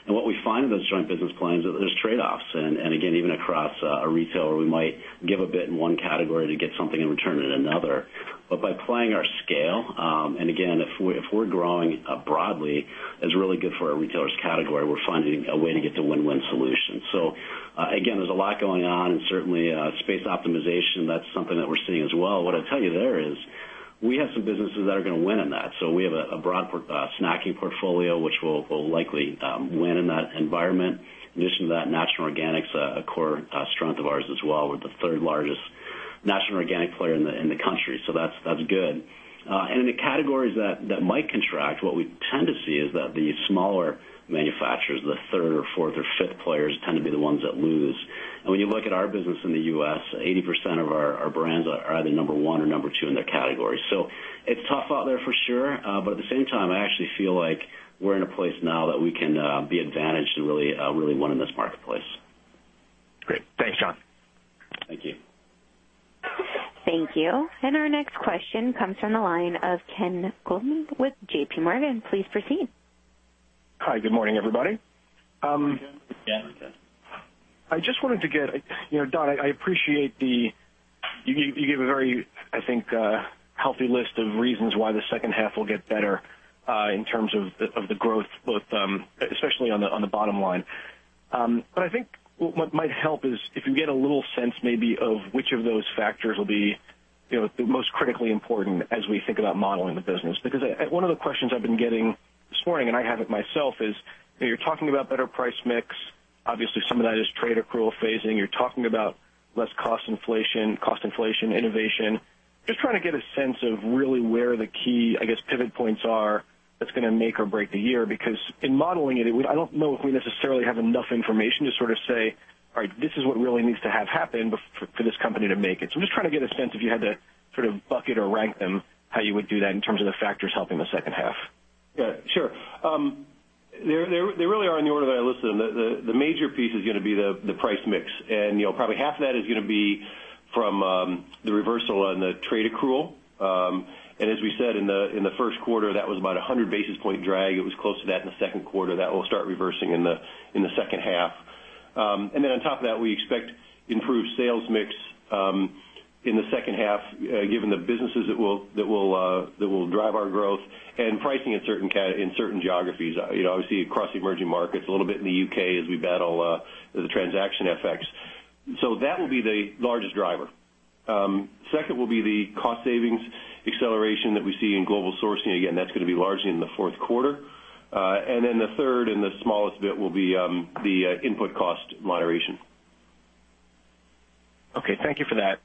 What we find in those joint business plans, there's trade-offs. Again, even across a retailer, we might give a bit in one category to get something in return in another. By playing our scale, and again, if we're growing broadly, it's really good for our retailers' category. We're finding a way to get to win-win solutions. Again, there's a lot going on, and certainly, space optimization, that's something that we're seeing as well. What I'll tell you there is we have some businesses that are going to win in that. We have a broad snacking portfolio which will likely win in that environment. In addition to that, natural organic is a core strength of ours as well. We're the third largest natural organic player in the country, so that's good. In the categories that might contract, what we tend to see is that the smaller manufacturers, the third or fourth or fifth players, tend to be the ones that lose. When you look at our business in the U.S., 80% of our brands are either number one or number two in their category. It's tough out there for sure, but at the same time, I actually feel like we're in a place now that we can be advantaged and really win in this marketplace. Great. Thanks, Jon. Thank you. Thank you. Our next question comes from the line of Ken Goldman with J.P. Morgan. Please proceed. Hi. Good morning, everybody. Good morning, Ken. Don, I appreciate you gave a very, I think, healthy list of reasons why the second half will get better in terms of the growth, especially on the bottom line. I think what might help is if you get a little sense maybe of which of those factors will be the most critically important as we think about modeling the business. One of the questions I've been getting this morning, and I have it myself, is you're talking about better price mix. Obviously, some of that is trade accrual phasing. You're talking about less cost inflation, innovation. Just trying to get a sense of really where the key, I guess, pivot points are that's going to make or break the year, because in modeling it, I don't know if we necessarily have enough information to sort of say, "All right, this is what really needs to have happen for this company to make it." I'm just trying to get a sense, if you had to sort of bucket or rank them, how you would do that in terms of the factors helping the second half. Yeah, sure. They really are in the order that I listed them. The major piece is going to be the price mix, and probably half of that is going to be from the reversal on the trade accrual. As we said in the first quarter, that was about a 100 basis point drag. It was close to that in the second quarter. That will start reversing in the second half. On top of that, we expect improved sales mix in the second half given the businesses that will drive our growth and pricing in certain geographies. Obviously, across the emerging markets, a little bit in the U.K. as we battle the transaction effects. That will be the largest driver. Second will be the cost savings acceleration that we see in global sourcing. Again, that's going to be largely in the fourth quarter. The third and the smallest bit will be the input cost moderation. Okay. Thank you for that.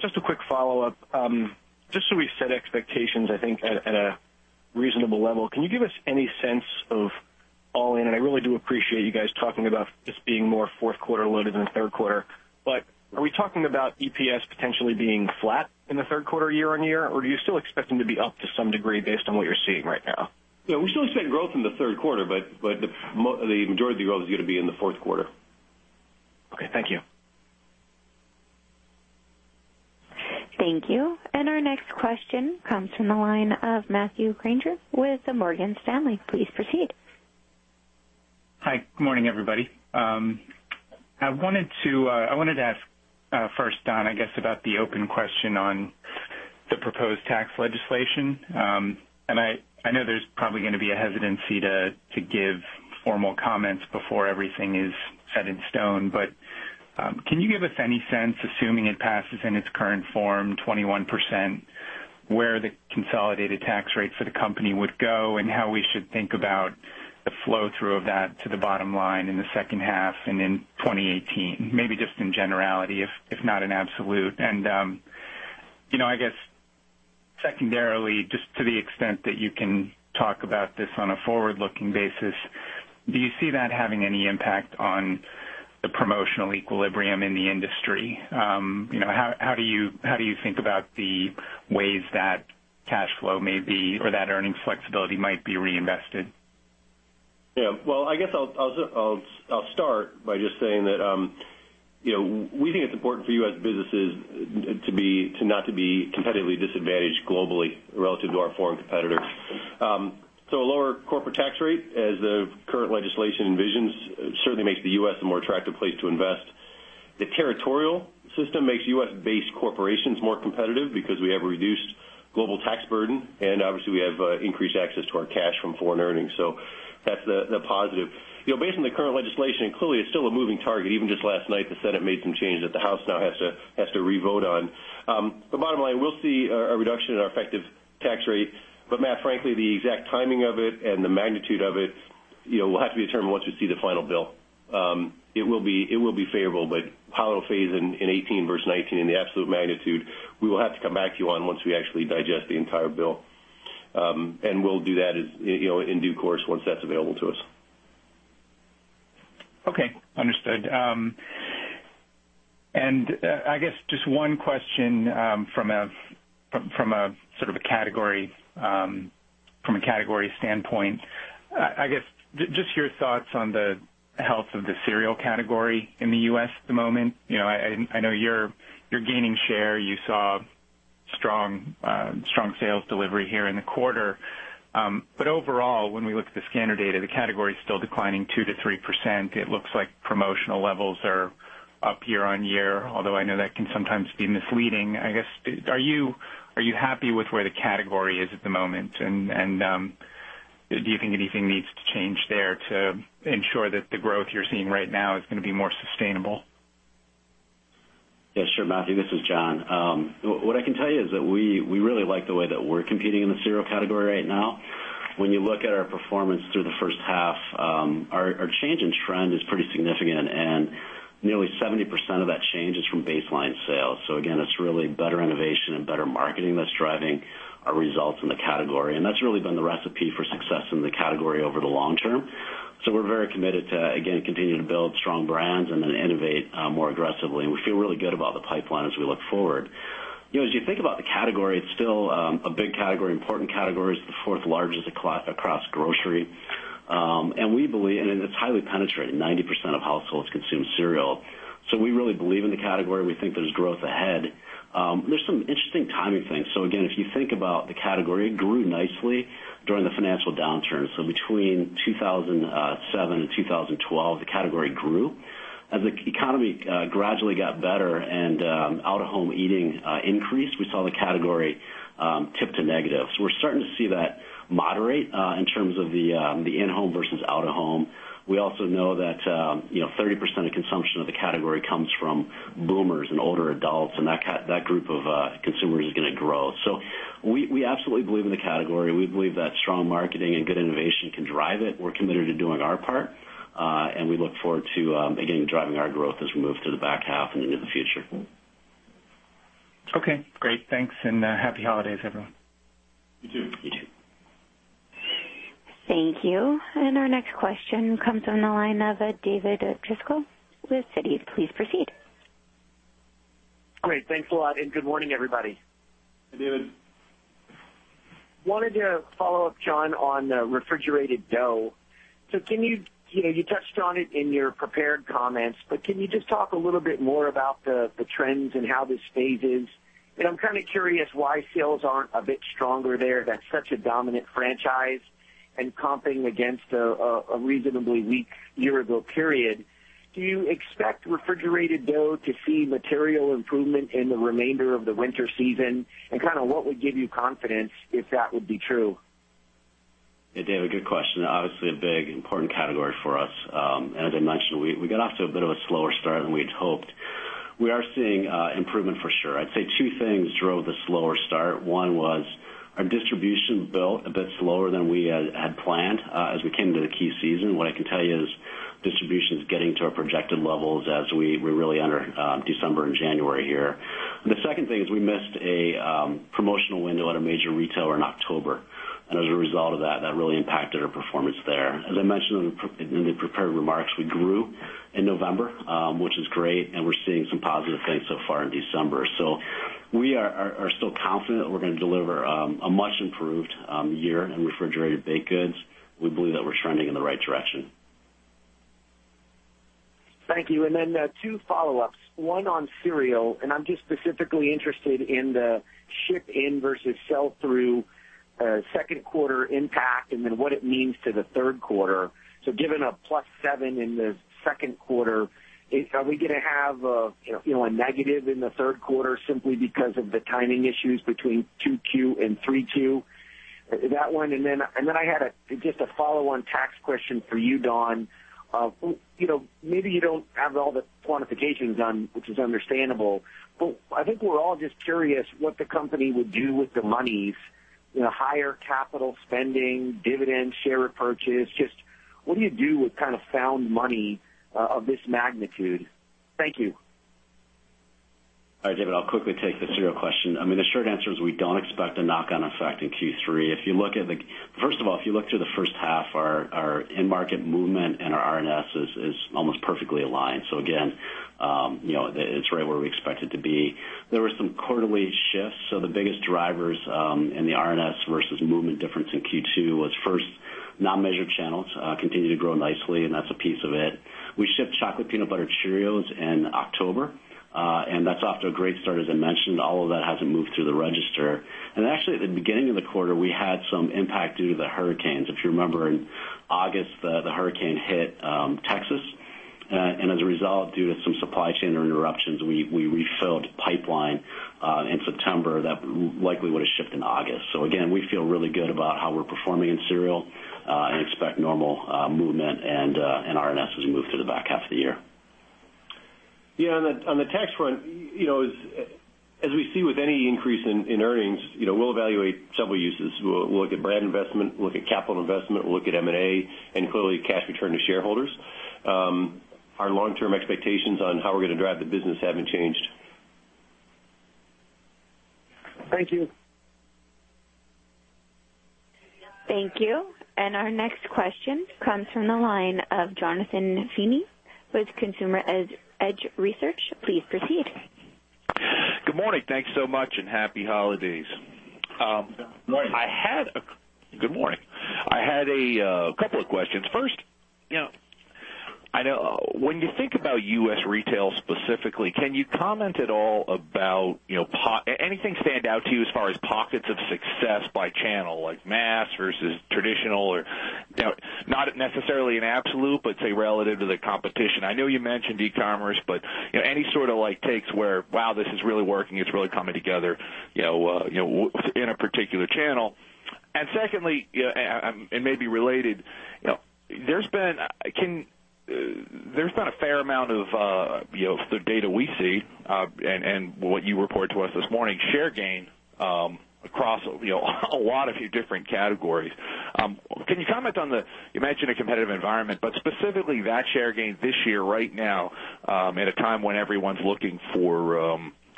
Just a quick follow-up. Just so we set expectations, I think, at a reasonable level, can you give us any sense of all in, I really do appreciate you guys talking about this being more fourth quarter loaded than third quarter, are we talking about EPS potentially being flat in the third quarter year-over-year? Do you still expect them to be up to some degree based on what you're seeing right now? Yeah, we still expect growth in the third quarter, the majority of the growth is going to be in the fourth quarter. Okay. Thank you. Our next question comes from the line of Matthew Grainger with Morgan Stanley. Please proceed. Hi, good morning, everybody. I wanted to ask first, Don, I guess about the open question on the proposed tax legislation. I know there's probably going to be a hesitancy to give formal comments before everything is set in stone. Can you give us any sense, assuming it passes in its current form, 21%, where the consolidated tax rate for the company would go and how we should think about the flow-through of that to the bottom line in the second half and in 2018? Maybe just in generality, if not an absolute. I guess secondarily, just to the extent that you can talk about this on a forward-looking basis, do you see that having any impact on the promotional equilibrium in the industry? How do you think about the ways that cash flow may be, or that earning flexibility might be reinvested? Yeah. Well, I guess I'll start by just saying that we think it's important for U.S. businesses to not to be competitively disadvantaged globally relative to our foreign competitors. A lower corporate tax rate as the current legislation envisions, certainly makes the U.S. a more attractive place to invest. The territorial system makes U.S.-based corporations more competitive because we have a reduced global tax burden, and obviously, we have increased access to our cash from foreign earnings. That's the positive. Based on the current legislation, clearly, it's still a moving target. Even just last night, the Senate made some changes that the House now has to revote on. Bottom line, we'll see a reduction in our effective tax rate. Matt, frankly, the exact timing of it and the magnitude of it will have to be determined once we see the final bill. It will be favorable, how it'll phase in 2018 versus 2019 and the absolute magnitude, we will have to come back to you on once we actually digest the entire bill. We'll do that in due course once that's available to us. Okay. Understood. I guess just one question from a category standpoint. I guess, just your thoughts on the health of the cereal category in the U.S. at the moment. I know you're gaining share. You saw strong sales delivery here in the quarter. Overall, when we look at the scanner data, the category is still declining 2%-3%. It looks like promotional levels are up year-over-year, although I know that can sometimes be misleading. Are you happy with where the category is at the moment, and do you think anything needs to change there to ensure that the growth you're seeing right now is going to be more sustainable? Sure, Matthew, this is Jon. What I can tell you is that we really like the way that we're competing in the cereal category right now. When you look at our performance through the first half, our change in trend is pretty significant, 70% of that change is from baseline sales. Again, it's really better innovation and better marketing that's driving our results in the category. That's really been the recipe for success in the category over the long term. We're very committed to, again, continuing to build strong brands and then innovate more aggressively. We feel really good about the pipeline as we look forward. As you think about the category, it's still a big category, important category. It's the fourth largest across grocery. It's highly penetrating. 90% of households consume cereal. We really believe in the category. We think there's growth ahead. There's some interesting timing things. Again, if you think about the category, it grew nicely during the financial downturn. Between 2007 and 2012, the category grew. As the economy gradually got better and out-of-home eating increased, we saw the category tip to negative. We're starting to see that moderate in terms of the in-home versus out-of-home. We also know that 30% of consumption of the category comes from boomers and older adults, and that group of consumers is going to grow. We absolutely believe in the category. We believe that strong marketing and good innovation can drive it. We're committed to doing our part. We look forward to, again, driving our growth as we move to the back half and into the future. Okay, great. Thanks. Happy holidays, everyone. You too. You too. Thank you. Our next question comes from the line of David Driscoll with Citi. Please proceed. Great. Thanks a lot. Good morning, everybody. Hi, David. Wanted to follow up, Jon, on refrigerated dough. You touched on it in your prepared comments, but can you just talk a little bit more about the trends and how this phase is? I'm curious why sales aren't a bit stronger there. That's such a dominant franchise and comping against a reasonably weak year-ago period. Do you expect refrigerated dough to see material improvement in the remainder of the winter season? What would give you confidence if that would be true? Hey, David, good question. Obviously, a big important category for us. As I mentioned, we got off to a bit of a slower start than we had hoped. We are seeing improvement for sure. I'd say two things drove the slower start. One was our distribution built a bit slower than we had planned as we came to the key season. What I can tell you is distribution's getting to our projected levels as we really enter December and January here. The second thing is we missed a promotional window at a major retailer in October. As a result of that really impacted our performance there. As I mentioned in the prepared remarks, we grew in November, which is great. We're seeing some positive things so far in December. We are still confident that we're going to deliver a much improved year in refrigerated baked goods. We believe that we're trending in the right direction. Thank you. Then two follow-ups, one on cereal, I'm just specifically interested in the ship in versus sell-through second quarter impact, then what it means to the third quarter. Given a plus seven in the second quarter, are we going to have a negative in the third quarter simply because of the timing issues between 2Q and 3Q? That one, I had just a follow on tax question for you, Don. Maybe you don't have all the quantifications on, which is understandable, but I think we're all just curious what the company would do with the monies, higher capital spending, dividends, share repurchase, just what do you do with kind of found money of this magnitude? Thank you. All right, David, I'll quickly take the cereal question. I mean, the short answer is we don't expect a knock-on effect in Q3. First of all, if you look through the first half, our end market movement and our RNS is almost perfectly aligned. Again, it's right where we expect it to be. There were some quarterly shifts, the biggest drivers in the RNS versus movement difference in Q2 was first, non-measured channels continue to grow nicely, that's a piece of it. We shipped Chocolate Peanut Butter Cheerios in October, that's off to a great start, as I mentioned. All of that hasn't moved through the register. Actually, at the beginning of the quarter, we had some impact due to the hurricanes. If you remember, in August, the hurricane hit Texas, as a result, due to some supply chain interruptions, we refilled pipeline in September that likely would have shipped in August. Again, we feel really good about how we're performing in cereal and expect normal movement and RNS as we move through the back half of the year. Yeah, on the tax front, as we see with any increase in earnings, we'll evaluate several uses. We'll look at brand investment, we'll look at capital investment, we'll look at M&A, and clearly cash return to shareholders. Our long-term expectations on how we're going to drive the business haven't changed. Thank you. Thank you. Our next question comes from the line of Jonathan Feeney with Consumer Edge Research. Please proceed. Good morning. Thanks so much, and happy holidays. Good morning. Good morning. I had a couple of questions. First, when you think about U.S. retail specifically, can you comment at all about anything stand out to you as far as pockets of success by channel, like mass versus traditional, or not necessarily in absolute, but say, relative to the competition? I know you mentioned e-commerce, but any sort of takes where, wow, this is really working, it's really coming together in a particular channel. Secondly, it may be related, there's been a fair amount of the data we see and what you report to us this morning, share gain across a lot of your different categories. You mentioned a competitive environment, but specifically that share gain this year right now at a time when everyone's looking for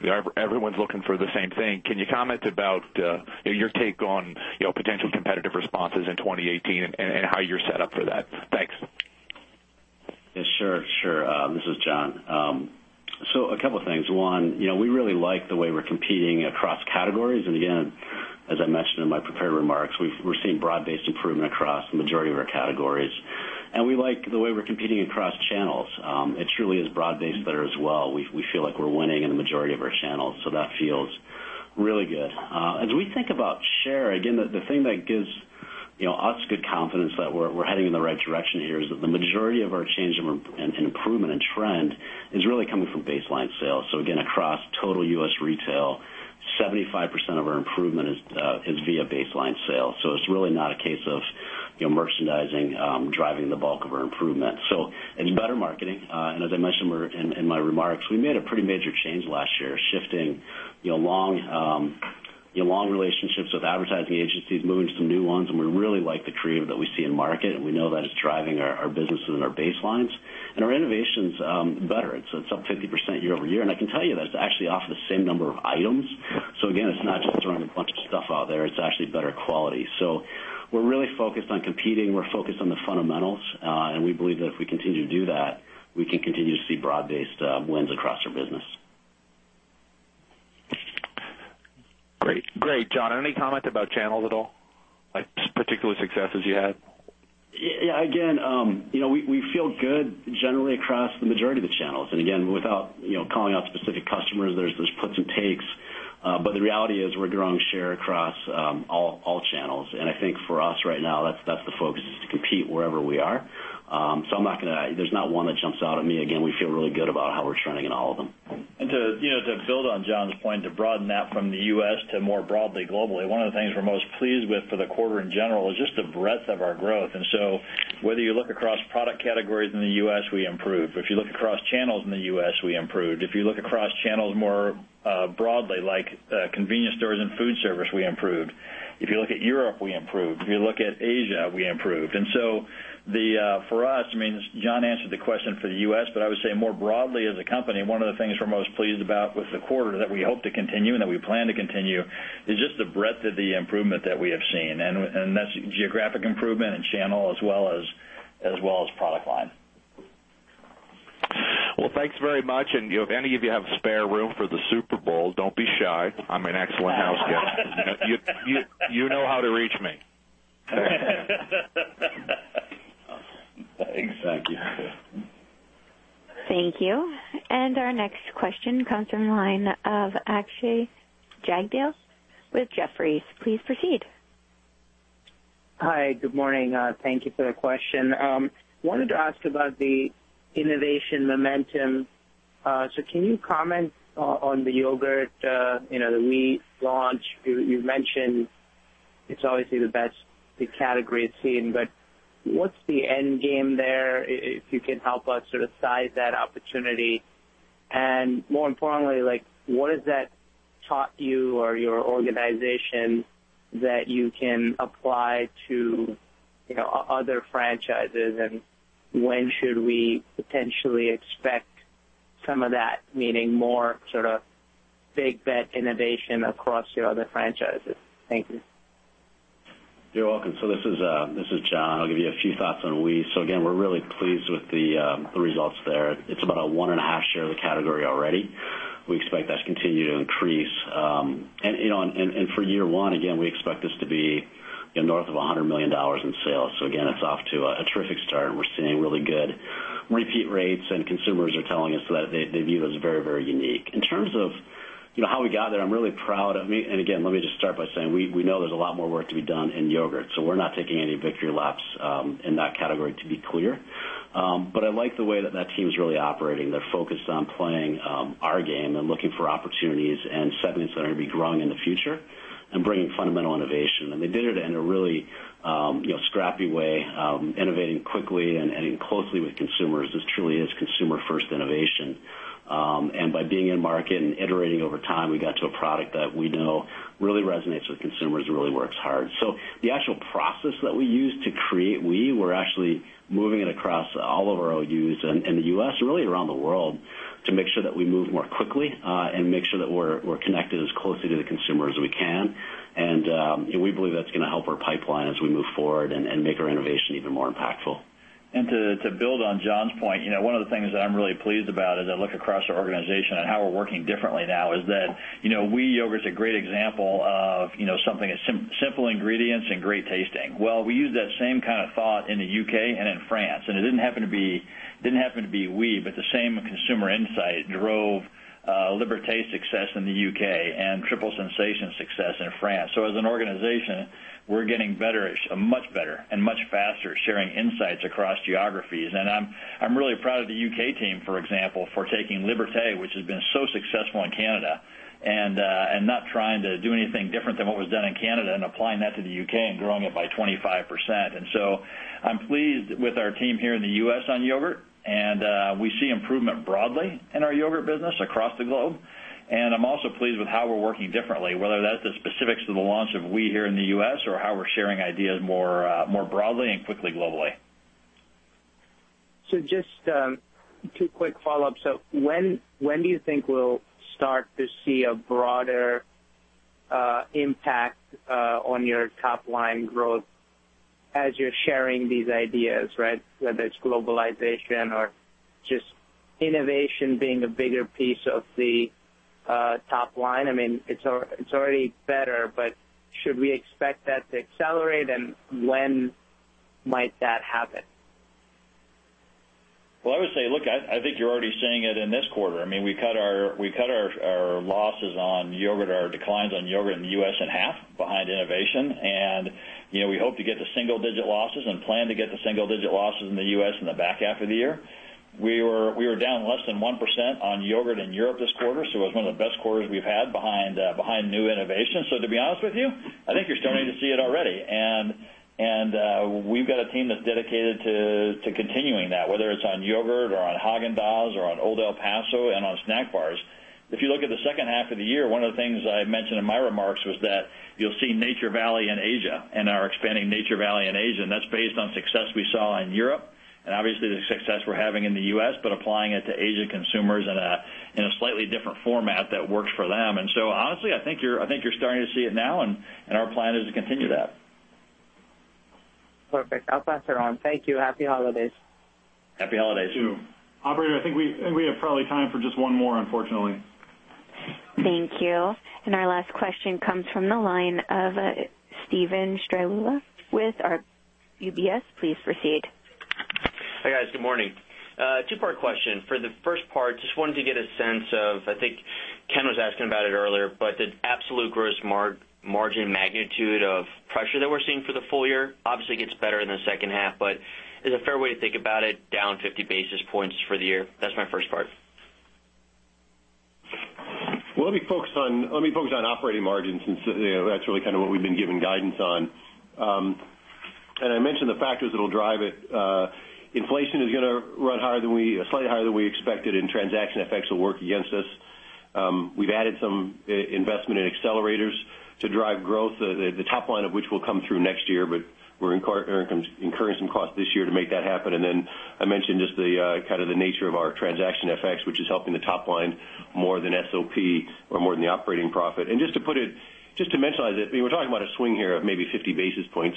the same thing, can you comment about your take on potential competitive responses in 2018 and how you're set up for that? Thanks. Yeah, sure. This is Jon. A couple of things. One, we really like the way we're competing across categories. Again, as I mentioned in my prepared remarks, we're seeing broad-based improvement across the majority of our categories, and we like the way we're competing across channels. It truly is broad-based there as well. We feel like we're winning in the majority of our channels, so that feels really good. As we think about share, again, the thing that gives us good confidence that we're heading in the right direction here is that the majority of our change and improvement in trend is really coming from baseline sales. Again, across total U.S. retail, 75% of our improvement is via baseline sales. It's really not a case of merchandising driving the bulk of our improvement. It's better marketing. As I mentioned in my remarks, we made a pretty major change last year, shifting long relationships with advertising agencies, moving to some new ones, we really like the creative that we see in market, we know that it's driving our businesses and our baselines. Our innovation's better. It's up 50% year-over-year. I can tell you that it's actually off the same number of items. Again, it's not just throwing a bunch of stuff out there, it's actually better quality. We're really focused on competing, we're focused on the fundamentals, we believe that if we continue to do that, we can continue to see broad-based wins across our business. Great. Jon, any comment about channels at all, like particular successes you had? Yeah. Again, we feel good generally across the majority of the channels. Again, without calling out specific customers, there's puts and takes, the reality is we're growing share across all channels. I think for us right now, that's the focus is to compete wherever we are. There's not one that jumps out at me. Again, we feel really good about how we're trending in all of them. To build on Jon's point, to broaden that from the U.S. to more broadly globally, one of the things we're most pleased with for the quarter in general is just the breadth of our growth. Whether you look across product categories in the U.S., we improved. If you look across channels in the U.S., we improved. If you look across channels more broadly, like convenience stores and food service, we improved. If you look at Europe, we improved. If you look at Asia, we improved. For us, Jon answered the question for the U.S., I would say more broadly as a company, one of the things we're most pleased about with the quarter that we hope to continue and that we plan to continue is just the breadth of the improvement that we have seen. That's geographic improvement and channel as well as product line. Well, thanks very much. If any of you have spare room for the Super Bowl, don't be shy. I'm an excellent houseguest. You know how to reach me. Exactly. Thank you. Our next question comes from the line of Akshay Jagdale with Jefferies. Please proceed. Hi. Good morning. Thank you for the question. Wanted to ask about the innovation momentum. Can you comment on the yogurt, the Oui launch? You've mentioned it's obviously the best the category has seen, but what's the end game there, if you can help us sort of size that opportunity? More importantly, what has that taught you or your organization that you can apply to other franchises, and when should we potentially expect some of that, meaning more sort of big bet innovation across your other franchises? Thank you. You're welcome. This is Jon. I'll give you a few thoughts on Oui. Again, we're really pleased with the results there. It's about a one and a half share of the category already. We expect that to continue to increase. For year one, again, we expect this to be north of $100 million in sales. Again, it's off to a terrific start, and we're seeing really good repeat rates, and consumers are telling us that they view us very, very unique. In terms of how we got there, I'm really proud. Again, let me just start by saying, we know there's a lot more work to be done in yogurt, so we're not taking any victory laps in that category, to be clear. I like the way that that team's really operating. They're focused on playing our game and looking for opportunities and segments that are going to be growing in the future and bringing fundamental innovation. They did it in a really scrappy way, innovating quickly and in closely with consumers. This truly is consumer-first innovation. By being in market and iterating over time, we got to a product that we know really resonates with consumers and really works hard. The actual process that we used to create Oui, we're actually moving it across all of our OUs in the U.S. and really around the world to make sure that we move more quickly and make sure that we're connected as closely to the consumer as we can. We believe that's going to help our pipeline as we move forward and make our innovation even more impactful. To build on Jon's point, one of the things that I'm really pleased about as I look across our organization and how we're working differently now is that Oui yogurt's a great example of something that's simple ingredients and great tasting. Well, we used that same kind of thought in the U.K. and in France, and it didn't happen to be Oui, but the same consumer insight drove Liberté's success in the U.K. and Triple Sensations' success in France. As an organization, we're getting much better and much faster sharing insights across geographies. I'm really proud of the U.K. team, for example, for taking Liberté, which has been so successful in Canada, and not trying to do anything different than what was done in Canada, and applying that to the U.K. and growing it by 25%. I'm pleased with our team here in the U.S. on yogurt, and we see improvement broadly in our yogurt business across the globe. I'm also pleased with how we're working differently, whether that's the specifics of the launch of Oui here in the U.S. or how we're sharing ideas more broadly and quickly globally. Just two quick follow-ups. When do you think we'll start to see a broader impact on your top-line growth as you're sharing these ideas, whether it's globalization or just innovation being a bigger piece of the top line? It's already better, but should we expect that to accelerate, and when might that happen? I would say, look, I think you're already seeing it in this quarter. We cut our losses on yogurt, our declines on yogurt in the U.S. in half behind innovation, and we hope to get to single-digit losses and plan to get to single-digit losses in the U.S. in the back half of the year. We were down less than 1% on yogurt in Europe this quarter, it was one of the best quarters we've had behind new innovation. To be honest with you, I think you're starting to see it already. We've got a team that's dedicated to continuing that, whether it's on yogurt or on Häagen-Dazs or on Old El Paso and on snack bars. If you look at the second half of the year, one of the things that I mentioned in my remarks was that you'll see Nature Valley in Asia and our expanding Nature Valley in Asia, and that's based on success we saw in Europe and obviously the success we're having in the U.S., but applying it to Asia consumers in a slightly different format that works for them. Honestly, I think you're starting to see it now, and our plan is to continue that. Perfect. I'll pass it on. Thank you. Happy holidays. Happy holidays. You too. Operator, I think we have probably time for just one more, unfortunately. Thank you. Our last question comes from the line of Steven Strycula with UBS. Please proceed. Hi, guys. Good morning. Two-part question. For the first part, just wanted to get a sense of, I think Ken was asking about it earlier, the absolute gross margin magnitude of pressure that we're seeing for the full year obviously gets better in the second half, is a fair way to think about it down 50 basis points for the year? That's my first part. Let me focus on operating margins since that's really kind of what we've been giving guidance on. I mentioned the factors that'll drive it. Inflation is going to run slightly higher than we expected, and transaction effects will work against us. We've added some investment in accelerators to drive growth, the top line of which will come through next year, we're incurring some costs this year to make that happen. Then I mentioned just the nature of our transaction effects, which is helping the top line more than SOP or more than the operating profit. Just to mention on it, we're talking about a swing here of maybe 50 basis points.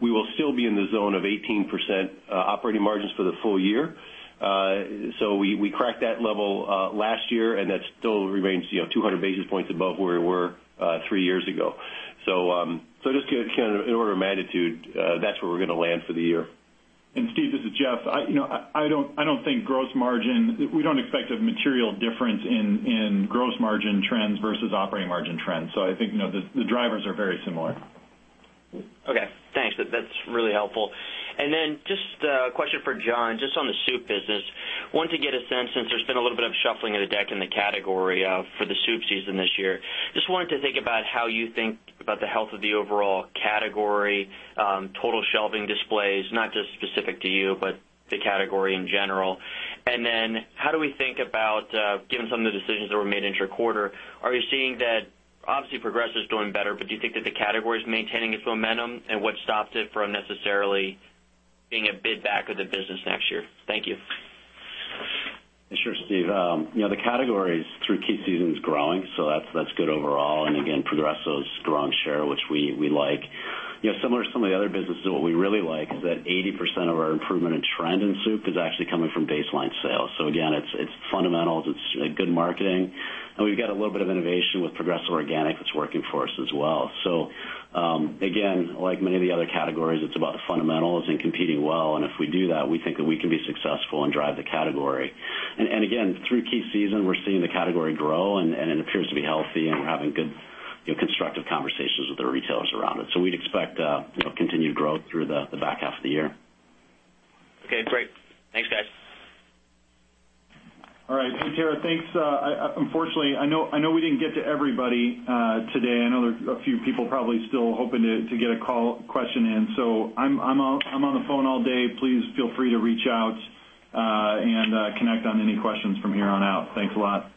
We will still be in the zone of 18% operating margins for the full year. We cracked that level last year, and that still remains 200 basis points above where we were three years ago. Just kind of in order of magnitude, that's where we're going to land for the year. Steve, this is Jeff. We don't expect a material difference in gross margin trends versus operating margin trends. I think the drivers are very similar. Okay, thanks. That's really helpful. Then just a question for Jon, just on the soup business. Wanted to get a sense, since there's been a little bit of shuffling of the deck in the category for the soup season this year, just wanted to think about how you think about the health of the overall category, total shelving displays, not just specific to you, but the category in general. Then how do we think about, given some of the decisions that were made inter-quarter, are you seeing that, obviously Progresso's doing better, but do you think that the category is maintaining its momentum? What stops it from necessarily being a bid back of the business next year? Thank you. Sure, Steve. The category through key season's growing, that's good overall. Again, Progresso's growing share, which we like. Similar to some of the other businesses, what we really like is that 80% of our improvement in trend in soup is actually coming from baseline sales. Again, it's fundamentals, it's good marketing, and we've got a little bit of innovation with Progresso Organic that's working for us as well. Again, like many of the other categories, it's about the fundamentals and competing well, and if we do that, we think that we can be successful and drive the category. Again, through key season, we're seeing the category grow, and it appears to be healthy, and we're having good, constructive conversations with the retailers around it. We'd expect continued growth through the back half of the year. Okay, great. Thanks, guys. All right. Hey, Tara, thanks. Unfortunately, I know we didn't get to everybody today. I know there are a few people probably still hoping to get a question in. I'm on the phone all day. Please feel free to reach out and connect on any questions from here on out. Thanks a lot.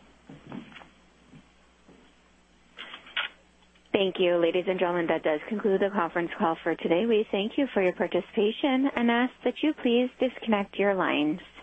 Thank you. Ladies and gentlemen, that does conclude the conference call for today. We thank you for your participation and ask that you please disconnect your lines.